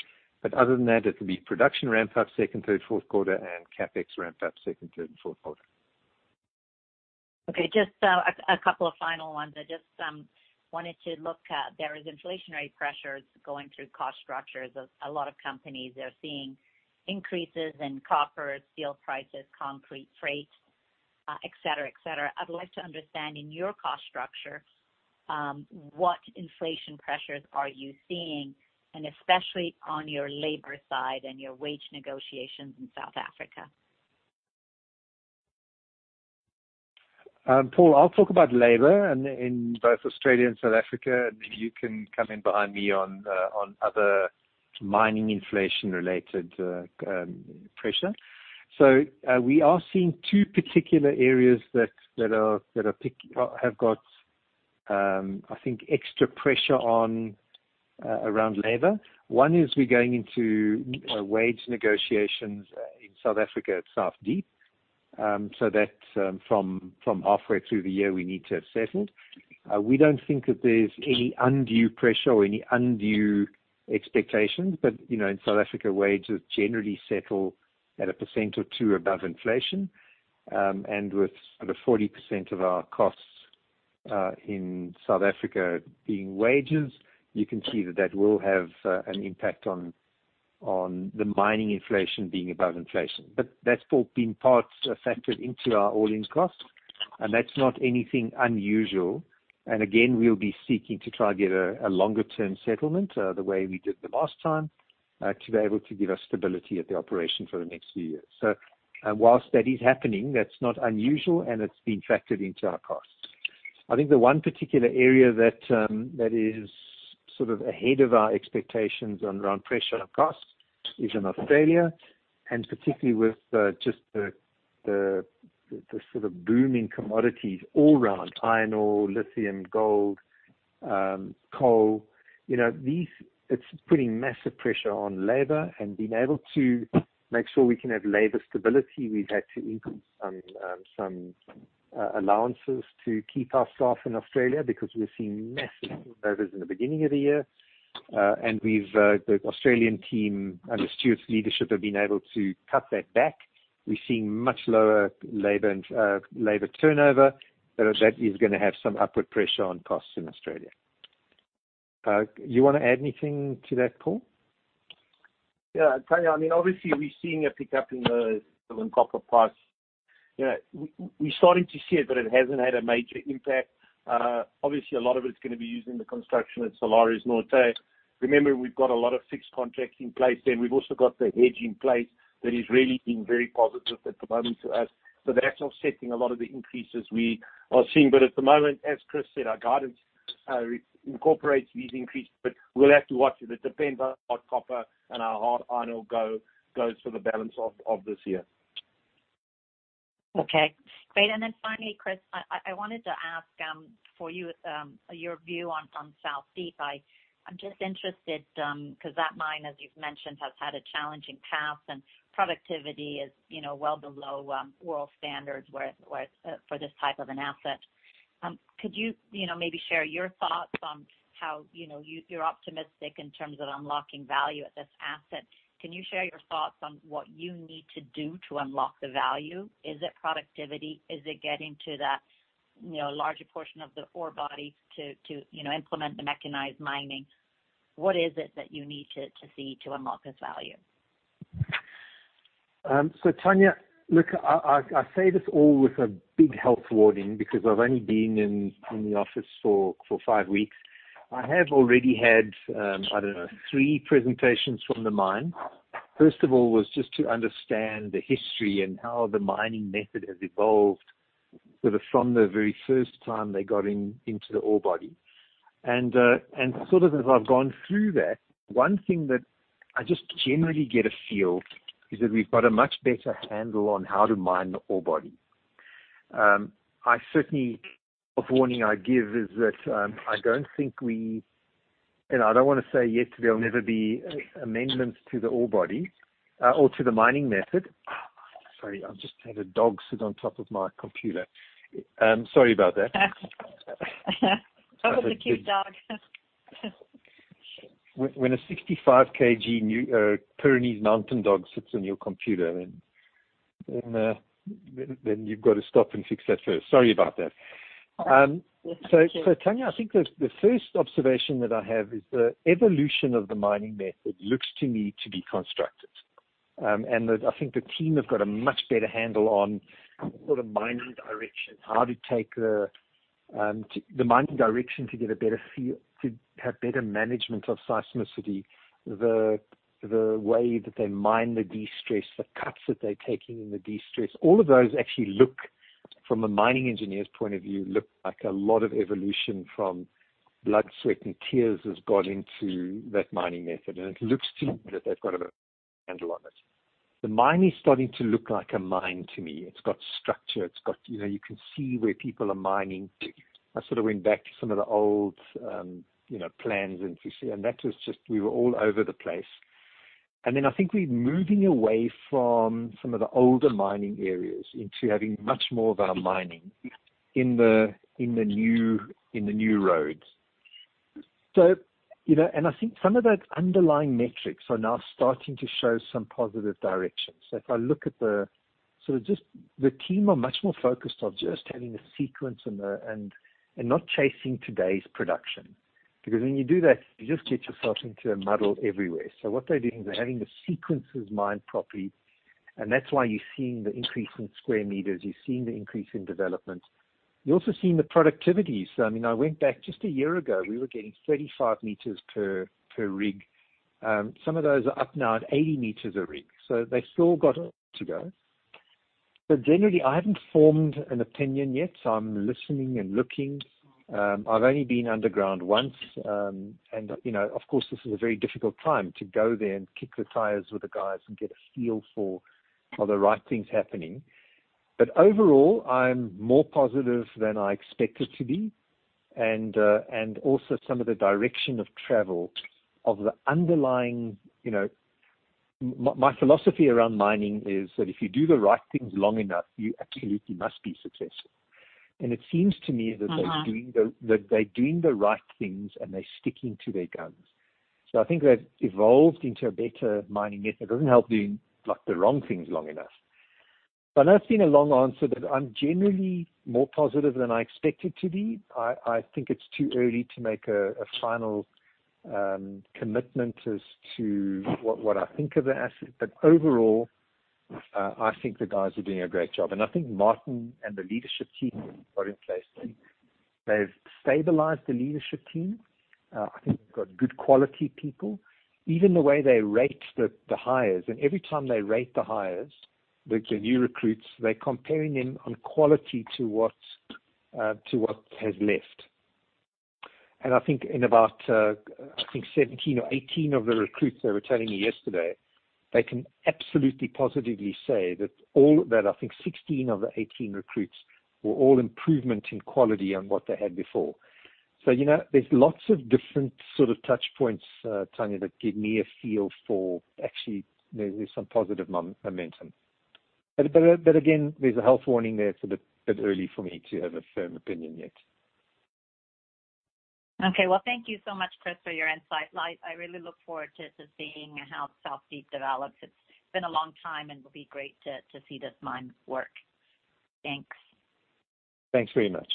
Other than that, it'll be production ramp up second, third, fourth quarter and CapEx ramp up second, third, and fourth quarter. Okay. Just a couple of final ones. I just wanted to look at, there is inflationary pressures going through cost structures of a lot of companies. They're seeing increases in copper, steel prices, concrete, freight, et cetera. I'd like to understand, in your cost structure, what inflation pressures are you seeing, and especially on your labor side and your wage negotiations in South Africa. Paul, I'll talk about labor in both Australia and South Africa, and then you can come in behind me on other mining inflation-related pressure. We are seeing two particular areas that have got, I think, extra pressure on around labor. One is we're going into wage negotiations in South Africa at South Deep. That from halfway through the year, we need to have settled. We don't think that there's any undue pressure or any undue expectations. In South Africa, wages generally settle at 1% or 2% above inflation. With sort of 40% of our costs in South Africa being wages, you can see that that will have an impact on the mining inflation being above inflation. That's all been part factored into our all-in costs, and that's not anything unusual. Again, we'll be seeking to try get a longer-term settlement, the way we did the last time, to be able to give us stability at the operation for the next few years. Whilst that is happening, that's not unusual, and it's been factored into our costs. I think the one particular area that is sort of ahead of our expectations around pressure on costs is in Australia, and particularly with just the sort of booming commodities all around. Iron ore, lithium, gold, coal. It's putting massive pressure on labor and being able to make sure we can have labor stability. We've had to increase some allowances to keep our staff in Australia because we're seeing massive turnovers in the beginning of the year. The Australian team, under Stuart's leadership, have been able to cut that back. We're seeing much lower labor turnover. That is going to have some upward pressure on costs in Australia. You want to add anything to that, Paul? Tanya, obviously we're seeing a pickup in copper price. We're starting to see it, but it hasn't had a major impact. Obviously, a lot of it's going to be used in the construction at Salares Norte. Remember, we've got a lot of fixed contracts in place there. We've also got the hedge in place that is really being very positive at the moment to us. That's offsetting a lot of the increases we are seeing. At the moment, as Chris said, our guidance incorporates these increases, but we'll have to watch it. It depends how copper and our hard iron ore goes for the balance of this year. Okay, great. Finally, Chris, I wanted to ask for your view on South Deep. I'm just interested, because that mine, as you've mentioned, has had a challenging past, and productivity is well below world standards for this type of an asset. Could you maybe share your thoughts on how you're optimistic in terms of unlocking value at this asset? Can you share your thoughts on what you need to do to unlock the value? Is it productivity? Is it getting to that larger portion of the ore body to implement the mechanized mining? What is it that you need to see to unlock this value? Tanya, look, I say this all with a big health warning because I've only been in the office for five weeks. I have already had, I don't know, three presentations from the mine. First of all was just to understand the history and how the mining method has evolved, sort of from the very first time they got into the ore body. Sort of as I've gone through that, one thing that I just generally get a feel is that we've got a much better handle on how to mine the ore body. The health warning I give is that I don't think and I don't want to say yet there'll never be amendments to the ore body or to the mining method. Sorry, I've just had a dog sit on top of my computer. Sorry about that. Probably a cute dog. When a 65 kg Great Pyrenees sits on your computer, you've got to stop and fix that first. Sorry about that. That's okay. Tanya, I think the first observation that I have is the evolution of the mining method looks to me to be constructive. I think the team have got a much better handle on sort of mining direction, how to take the mining direction to have better management of seismicity, the way that they mine the de-stress, the cuts that they're taking in the de-stress. All of those actually, from a mining engineer's point of view, look like a lot of evolution from blood, sweat, and tears has gone into that mining method. It looks to me that they've got a handle on it. The mine is starting to look like a mine to me. It's got structure. You can see where people are mining. I sort of went back to some of the old plans, and we were all over the place. I think we're moving away from some of the older mining areas into having much more of our mining in the new roads. I think some of that underlying metrics are now starting to show some positive direction. If I look at the sort of just the team are much more focused on just having a sequence and not chasing today's production. When you do that, you just get yourself into a muddle everywhere. What they're doing is they're having the sequences mined properly, and that's why you're seeing the increase in square meters, you're seeing the increase in development. You're also seeing the productivities. I went back just a year ago, we were getting 35 meters per rig. Some of those are up now at 80 meters a rig. They've still got to go. Generally, I haven't formed an opinion yet, so I'm listening and looking. I've only been underground once. Of course, this is a very difficult time to go there and kick the tires with the guys and get a feel for are the right things happening. Overall, I'm more positive than I expected to be, and also some of the direction of travel of the underlying My philosophy around mining is that if you do the right things long enough, you absolutely must be successful. It seems to me that- they're doing the right things and they're sticking to their guns. I think they've evolved into a better mining method. It doesn't help doing the wrong things long enough. I know that's been a long answer, but I'm generally more positive than I expected to be. I think it's too early to make a final commitment as to what I think of the asset. Overall, I think the guys are doing a great job. I think Martin and the leadership team got in place. They've stabilized the leadership team. They've got good quality people. Even the way they rate the hires, every time they rate the hires, the new recruits, they're comparing them on quality to what has left. I think in about 17 or 18 of the recruits, they were telling me yesterday, they can absolutely positively say that I think 16 of the 18 recruits were all improvement in quality on what they had before. There's lots of different sort of touch points, Tanya, that give me a feel for actually there's some positive momentum. Again, there's a health warning there. It's a bit early for me to have a firm opinion yet. Okay. Well, thank you so much, Chris, for your insight. I really look forward to seeing how South Deep develops. It's been a long time, and it will be great to see this mine work. Thanks. Thanks very much.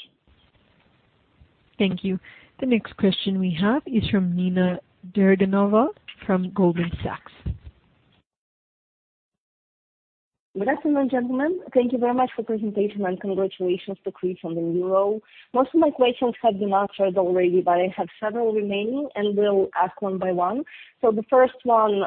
Thank you. The next question we have is from Nina Dergunova from Goldman Sachs. Good afternoon, gentlemen. Thank you very much for the presentation, and congratulations to Chris on the new role. Most of my questions have been answered already, but I have several remaining, and will ask one by one. The first one,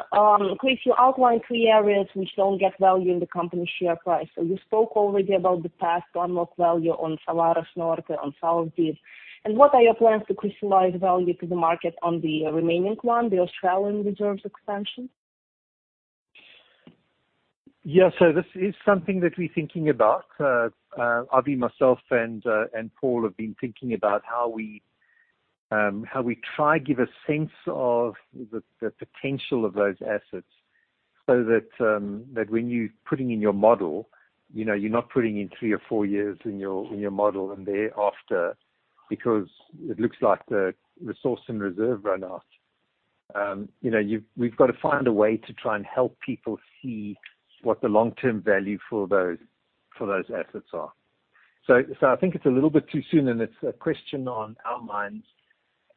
Chris, you outlined three areas which don't get value in the company's share price. You spoke already about the past unlock value on Salares Norte, on South Deep. What are your plans to crystallize value to the market on the remaining one, the Australian reserves expansion? Yeah. This is something that we're thinking about. Avi, myself, and Paul have been thinking about how we try give a sense of the potential of those assets, so that when you're putting in your model, you're not putting in three or four years in your model and thereafter, because it looks like the resource and reserve run out. We've got to find a way to try and help people see what the long-term value for those assets are. I think it's a little bit too soon, and it's a question on our minds,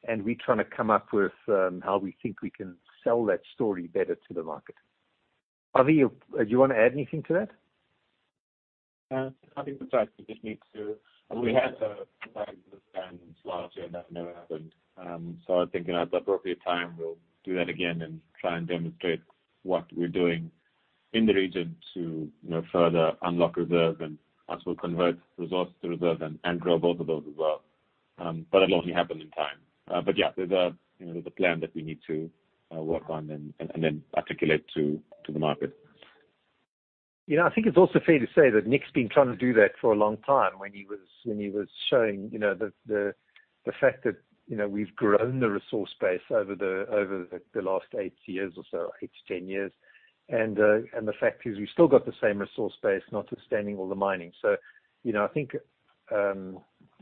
and we're trying to come up with how we think we can sell that story better to the market. Avi, do you want to add anything to that? No. We had a plan last year, and that never happened. I think at the appropriate time, we'll do that again and try and demonstrate what we're doing in the region to further unlock reserve and also convert resource to reserve and grow both of those as well. It'll only happen in time. Yeah, there's a plan that we need to work on and then articulate to the market. I think it's also fair to say that Nick's been trying to do that for a long time when he was showing the fact that we've grown the resource base over the last eight years or so, 8-10 years. The fact is we've still got the same resource base, notwithstanding all the mining. I think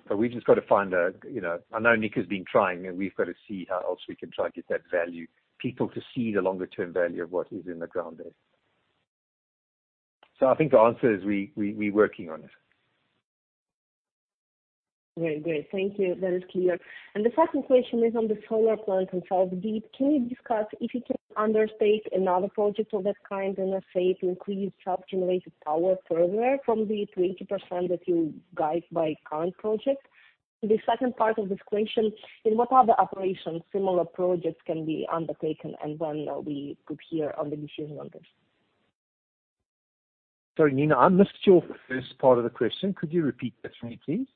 we've just got to find. I know Nick has been trying, and we've got to see how else we can try and get that value, people to see the longer-term value of what is in the ground there. I think the answer is we're working on it. Very great. Thank you. That is clear. The second question is on the solar plant in South Deep. Can you discuss if you can undertake another project of that kind in SA to increase self-generated power further from the 20% that you guide by current project? The second part of this question, in what other operations similar projects can be undertaken and when we could hear on the decision on this? Sorry, Nina, I missed your first part of the question. Could you repeat that for me, please?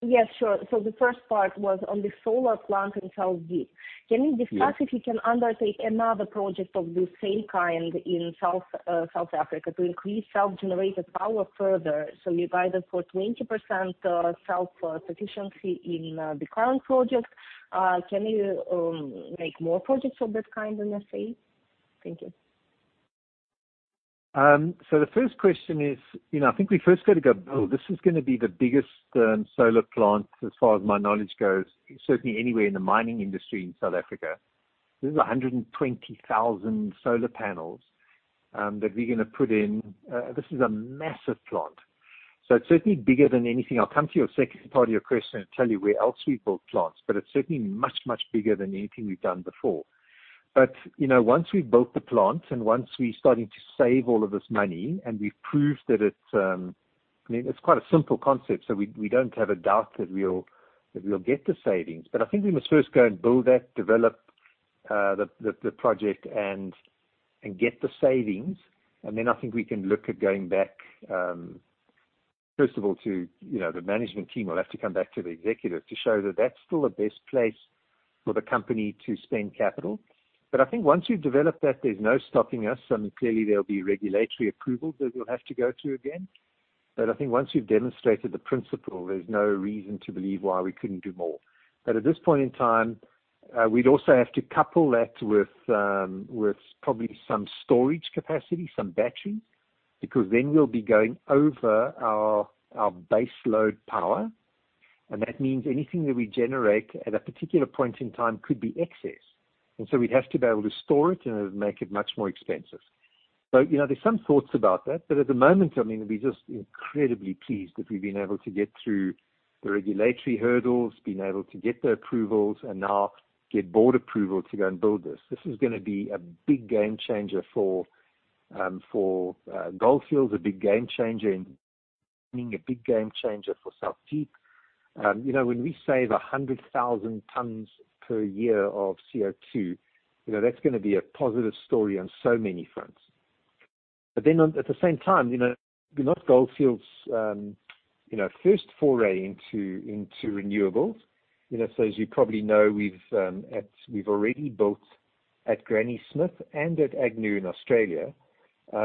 Yes, sure. The first part was on the solar plant in South Deep. Yes. Can you discuss if you can undertake another project of the same kind in South Africa to increase self-generated power further? You guided for 20% self-sufficiency in the current project. Can you make more projects of that kind in SA? Thank you. The first question is, I think we first got to go, build. This is going to be the biggest solar plant as far as my knowledge goes, certainly anywhere in the mining industry in South Africa. This is 120,000 solar panels that we're going to put in. This is a massive plant. It's certainly bigger than anything. I'll come to your second part of your question and tell you where else we've built plants, but it's certainly much, much bigger than anything we've done before. Once we've built the plant and once we're starting to save all of this money and we've proved that it I mean, it's quite a simple concept, so we don't have a doubt that we'll get the savings. I think we must first go and build that, develop the project and get the savings. I think we can look at going back, first of all to the management team will have to come back to the executive to show that that's still the best place for the company to spend capital. I think once you've developed that, there's no stopping us. I mean, clearly there'll be regulatory approval that we'll have to go to again. I think once you've demonstrated the principle, there's no reason to believe why we couldn't do more. At this point in time, we'd also have to couple that with probably some storage capacity, some battery, because then we'll be going over our base load power, and that means anything that we generate at a particular point in time could be excess. So we'd have to be able to store it and it would make it much more expensive. There's some thoughts about that, at the moment, I mean, we're just incredibly pleased that we've been able to get through the regulatory hurdles, been able to get the approvals and now get board approval to go and build this. This is gonna be a big game changer for Gold Fields, a big game changer in being a big game changer for South Deep. When we save 100,000 tons per year of CO2, that's gonna be a positive story on so many fronts. At the same time, not Gold Fields first foray into renewables. As you probably know, we've already built at Granny Smith and at Agnew in Australia.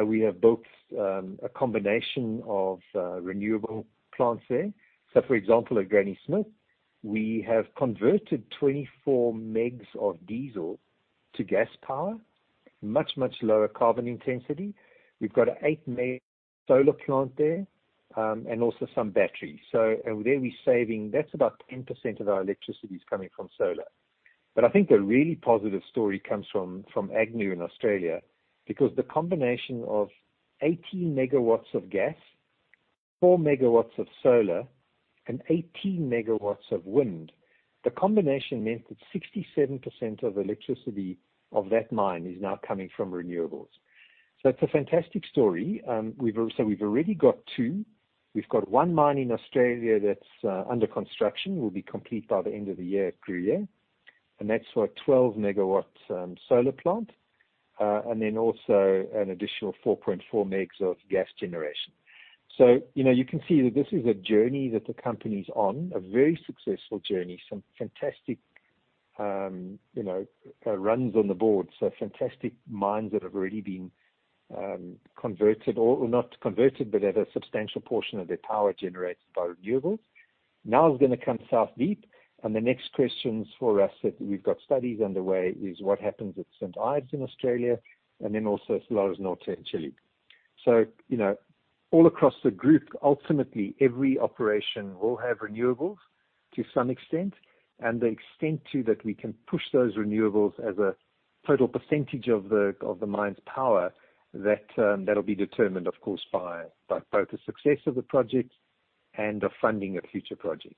We have built a combination of renewable plants there. For example, at Granny Smith, we have converted 24 megs of diesel to gas power, much lower carbon intensity. We've got a 8 MW solar plant there. Also some batteries. There we're saving, that's about 10% of our electricity is coming from solar. I think the really positive story comes from Agnew in Australia, because the combination of 18 MW of gas, 4 MW of solar and 18 MW of wind, the combination meant that 67% of electricity of that mine is now coming from renewables. It's a fantastic story. We've already got two. We've got one mine in Australia that's under construction, will be complete by the end of the year at Gruyere. That's our 12 MW solar plant. Also an additional 4.4 MW of gas generation. You can see that this is a journey that the company's on, a very successful journey, some fantastic runs on the board. Fantastic mines that have already been converted or not converted, but at a substantial portion of their power generated by renewables. Now is gonna come South Deep, the next questions for us that we've got studies underway is what happens at St. Ives in Australia, Salares Norte in Chile. All across the group, ultimately every operation will have renewables to some extent. The extent to that we can push those renewables as a total percentage of the mine's power, that'll be determined, of course, by both the success of the project and the funding of future projects.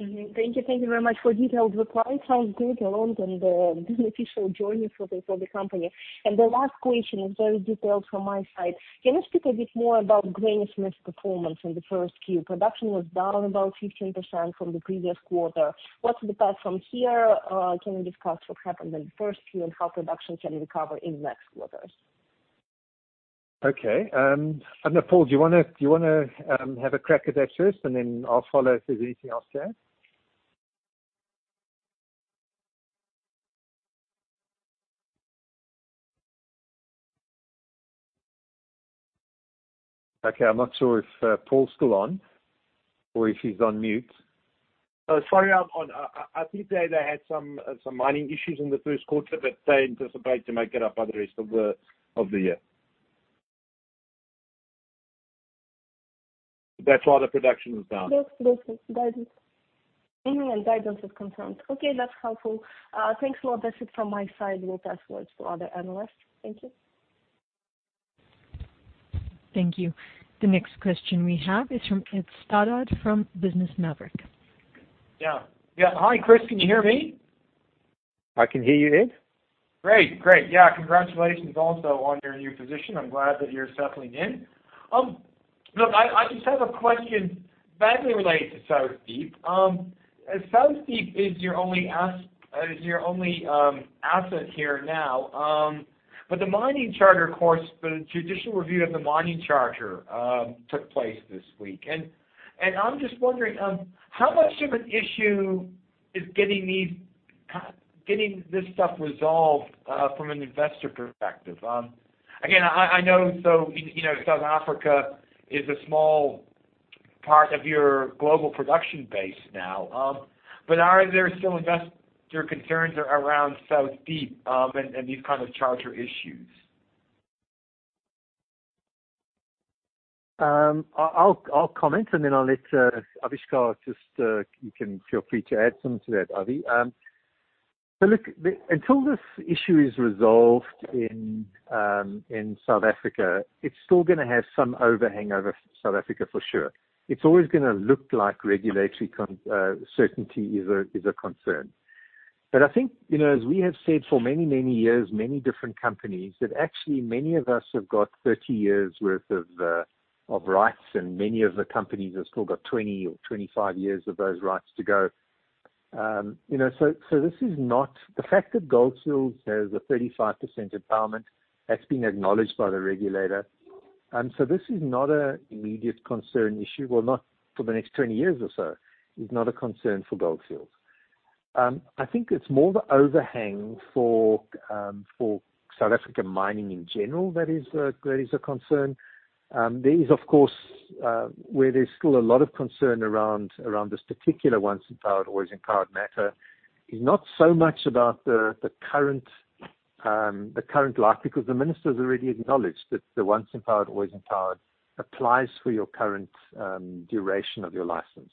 Thank you. Thank you very much for detailed reply. Sounds great along on the beneficial journey for the company. The last question is very detailed from my side. Can you speak a bit more about Granny Smith's performance in the first Q? Production was down about 15% from the previous quarter. What's the path from here? Can you discuss what happened in the first Q and how production can recover in next quarters? Okay. I don't know, Paul, do you wanna have a crack at that first and then I'll follow if there's anything else there? Okay. I'm not sure if Paul's still on or if he's on mute. Oh, sorry. I'm on. I think they had some mining issues in the first quarter, but they anticipate to make it up by the rest of the year. That's all the production is down. Yes. Mostly guidance. Mainly in guidance is concerned. Okay, that's helpful. Thanks a lot. That's it from my side. We'll pass words to other analysts. Thank you. Thank you. The next question we have is from Ed Stoddard from Business Maverick. Yeah. Hi, Chris. Can you hear me? I can hear you, Ed. Great. Yeah, congratulations also on your new position. I'm glad that you're settling in. Look, I just have a question vaguely related to South Deep. South Deep is your only asset here now. The Mining Charter course, the judicial review of the Mining Charter, took place this week. I'm just wondering, how much of an issue is getting this stuff resolved from an investor perspective? I know South Africa is a small part of your global production base now, but are there still investor concerns around South Deep and these kind of Charter issues? I'll comment, and then I'll let Avishkar just, you can feel free to add something to that, Avi. Look, until this issue is resolved in South Africa, it's still gonna have some overhang over South Africa for sure. It's always gonna look like regulatory certainty is a concern. I think, as we have said for many, many years, many different companies, that actually many of us have got 30 years' worth of rights, and many of the companies have still got 20 or 25 years of those rights to go. The fact that Gold Fields has a 35% empowerment, that's been acknowledged by the regulator. This is not an immediate concern issue, well, not for the next 20 years or so. It's not a concern for Gold Fields. I think it's more the overhang for South African mining in general that is a concern. There is, of course, where there's still a lot of concern around this particular once empowered, always empowered matter. It's not so much about the current life because the minister's already acknowledged that the once empowered, always empowered applies for your current duration of your license.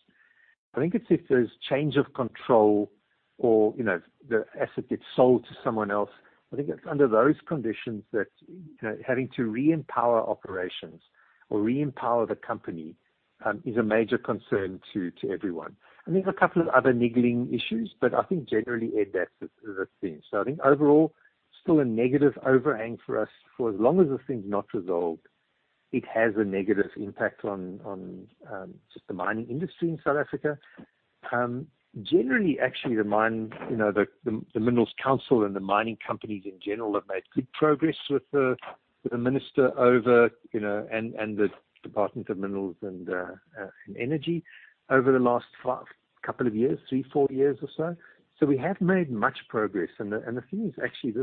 I think it's if there's change of control or the asset gets sold to someone else. I think it's under those conditions that having to re-empower operations or re-empower the company, is a major concern to everyone. There's a couple of other niggling issues, but I think generally, Ed, that's the thing. I think overall, still a negative overhang for us. For as long as this thing's not resolved, it has a negative impact on just the mining industry in South Africa. Generally, actually, the Minerals Council and the mining companies in general have made good progress with the minister and the Department of Mineral Resources and Energy over the last couple of years, three, four years or so. We have made much progress. The thing is, actually,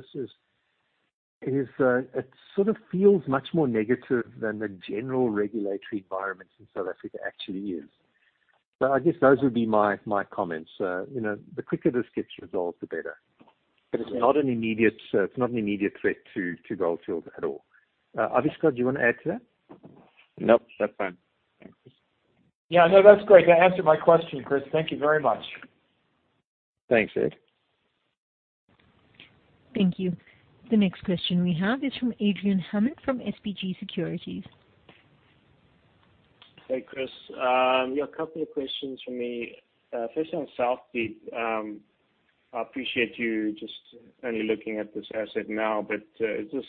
it sort of feels much more negative than the general regulatory environment in South Africa actually is. I guess those would be my comments. The quicker this gets resolved, the better. It's not an immediate threat to Gold Fields at all. Avishkar, do you want to add to that? Nope, that's fine. Thanks, Chris. Yeah, no, that's great. That answered my question, Chris. Thank you very much. Thanks, Ed. Thank you. The next question we have is from Adrian Hammond from SBG Securities. Hey, Chris. Yeah, a couple of questions from me. First on South Deep. I appreciate you just only looking at this asset now, but is this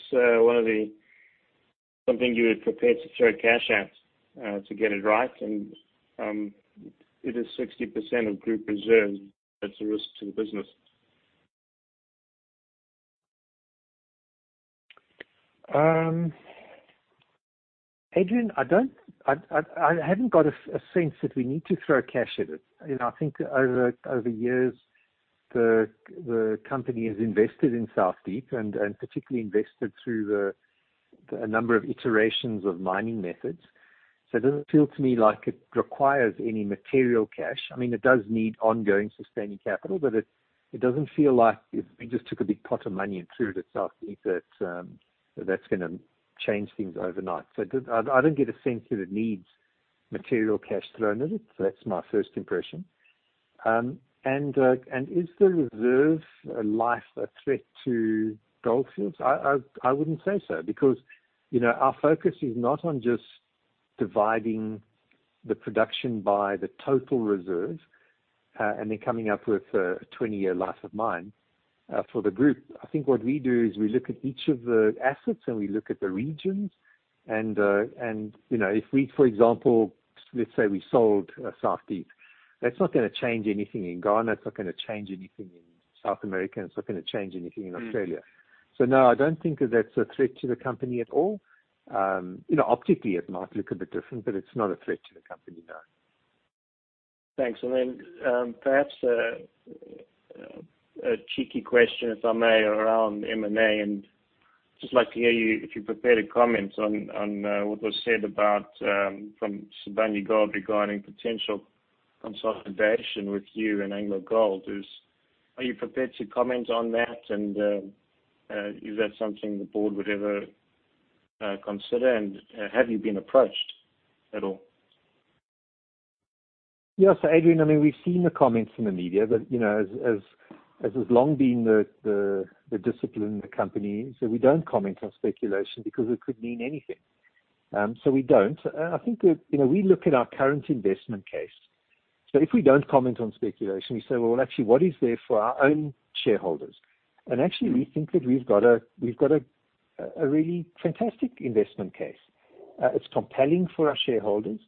something you would prepare to throw cash at to get it right? It is 60% of group reserves. That's a risk to the business. Adrian, I haven't got a sense that we need to throw cash at it. I think over years, the company has invested in South Deep and particularly invested through a number of iterations of mining methods. It doesn't feel to me like it requires any material cash. It does need ongoing sustaining capital, but it doesn't feel like if we just took a big pot of money and threw it at South Deep that that's gonna change things overnight. I don't get a sense that it needs material cash thrown at it. That's my first impression. Is the reserve life a threat to Gold Fields? I wouldn't say so because our focus is not on just dividing the production by the total reserves, and then coming up with a 20-year life of mine for the group. I think what we do is we look at each of the assets and we look at the regions and if we, for example, let's say we sold South Deep, that's not gonna change anything in Ghana. It's not gonna change anything in South America, and it's not gonna change anything in Australia. No, I don't think that that's a threat to the company at all. Optically, it might look a bit different, but it's not a threat to the company, no. Thanks. Perhaps, a cheeky question, if I may, around M&A. Just like to hear you if you prepared a comment on what was said from Sibanye-Stillwater regarding potential consolidation with you and AngloGold. Are you prepared to comment on that? Is that something the board would ever consider, and have you been approached at all? Yes. Adrian, we've seen the comments in the media, but as has long been the discipline of the company, so we don't comment on speculation because it could mean anything. We don't. I think we look at our current investment case. If we don't comment on speculation, we say, "Well, actually, what is there for our own shareholders?" Actually, we think that we've got a really fantastic investment case. It's compelling for our shareholders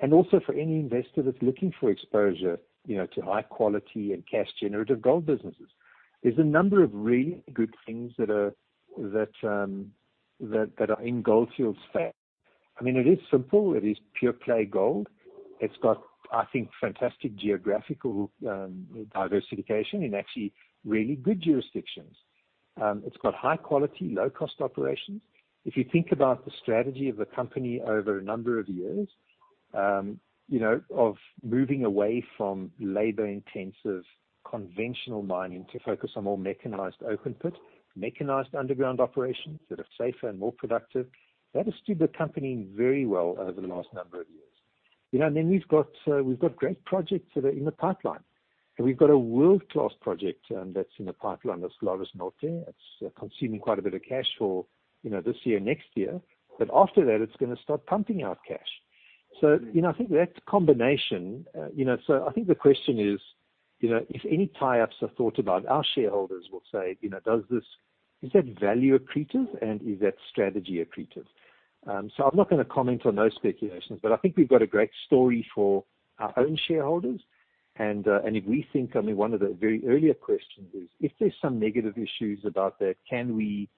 and also for any investor that's looking for exposure to high-quality and cash-generative gold businesses. There's a number of really good things that are in Gold Fields' favor. It is simple. It is pure play gold. It's got, I think, fantastic geographical diversification in actually really good jurisdictions. It's got high-quality, low-cost operations. If you think about the strategy of the company over a number of years, of moving away from labor-intensive conventional mining to focus on more mechanized open-pit, mechanized underground operations that are safer and more productive, that has stood the company very well over the last number of years. We've got great projects that are in the pipeline. We've got a world-class project that's in the pipeline, that's Salares Norte. It's consuming quite a bit of cash for this year, next year. After that, it's going to start pumping out cash. I think the question is, if any tie-ups are thought about, our shareholders will say, "Is that value accretive, and is that strategy accretive?" I'm not going to comment on those speculations, but I think we've got a great story for our own shareholders. If we think, only one of the very earlier questions is, if there's some negative issues about that, can we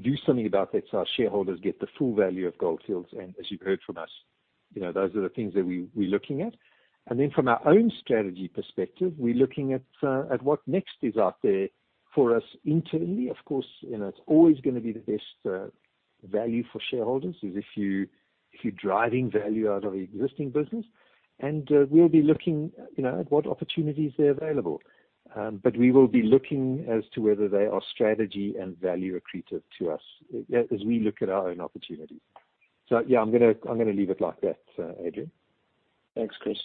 do something about that so our shareholders get the full value of Gold Fields? As you've heard from us, those are the things that we're looking at. From our own strategy perspective, we're looking at what next is out there for us internally. Of course, it's always going to be the best value for shareholders is if you're driving value out of the existing business. We'll be looking at what opportunities are available. We will be looking as to whether they are strategy and value accretive to us as we look at our own opportunities. Yeah, I'm going to leave it like that, Adrian. Thanks, Chris.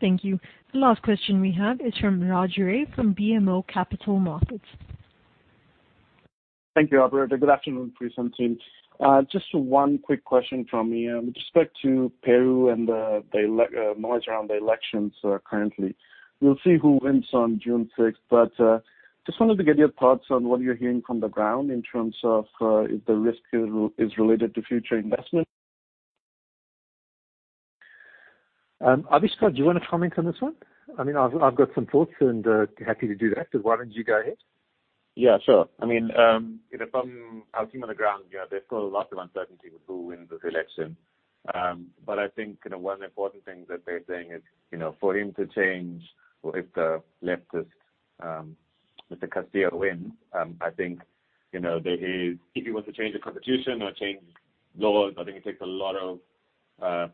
Thank you. The last question we have is from Raj Ray from BMO Capital Markets. Thank you, operator. Good afternoon, Chris and team. Just one quick question from me. With respect to Peru and the noise around the elections currently, we'll see who wins on June 6th. Just wanted to get your thoughts on what you're hearing from the ground in terms of if the risk is related to future investment. Avishkar, do you want to comment on this one? I've got some thoughts and happy to do that, but why don't you go ahead? Yeah, sure. From our team on the ground, there's still a lot of uncertainty with who wins this election. I think one important thing that they're saying is, for him to change or if the leftist, Mr. Castillo, wins, I think if he wants to change the constitution or change laws, I think it takes a lot of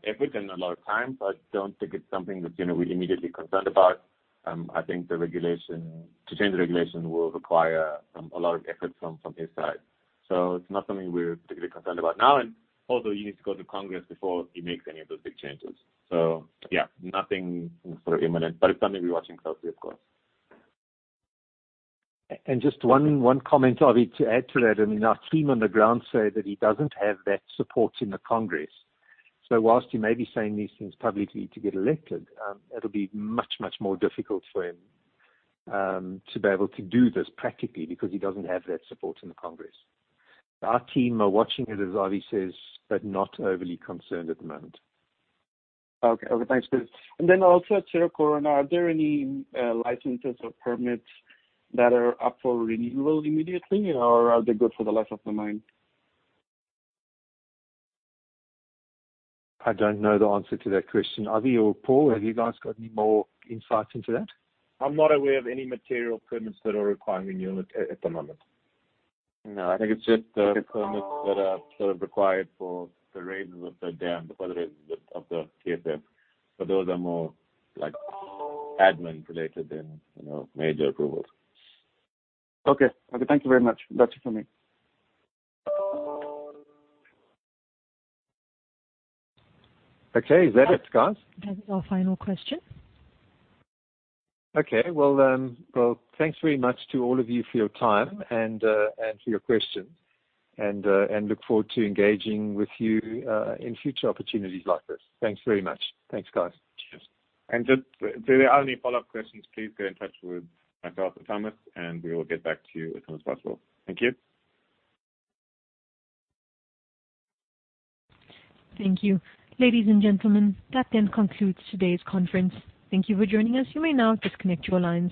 effort and a lot of time. I don't think it's something that we're immediately concerned about. I think to change the regulation will require a lot of effort from his side. It's not something we're particularly concerned about now. Also, he needs to go to Congress before he makes any of those big changes. Yeah, nothing sort of imminent, but it's something we're watching closely, of course. Just one comment, Avi, to add to that. Our team on the ground say that he doesn't have that support in the Congress. Whilst he may be saying these things publicly to get elected, it'll be much, much more difficult for him to be able to do this practically because he doesn't have that support in the Congress. Our team are watching it, as Avi says, but not overly concerned at the moment. Okay. Thanks, Chris. Also at Cerro Corona, are there any licenses or permits that are up for renewal immediately, or are they good for the life of the mine? I don't know the answer to that question. Avi or Paul, have you guys got any more insights into that? I'm not aware of any material permits that are requiring renewal at the moment. No, I think it's just the permits that are sort of required for the raises of the dam, the water raises of the TSF. Those are more like admin-related than major approvals. Okay. Thank you very much. That's it for me. Okay. Is that it, guys? That is our final question. Okay. Well, thanks very much to all of you for your time and for your questions. Look forward to engaging with you in future opportunities like this. Thanks very much. Thanks, guys. Cheers. If there are any follow-up questions, please get in touch with myself or Thomas, and we will get back to you as soon as possible. Thank you. Thank you. Ladies and gentlemen, that then concludes today's conference. Thank you for joining us. You may now disconnect your lines.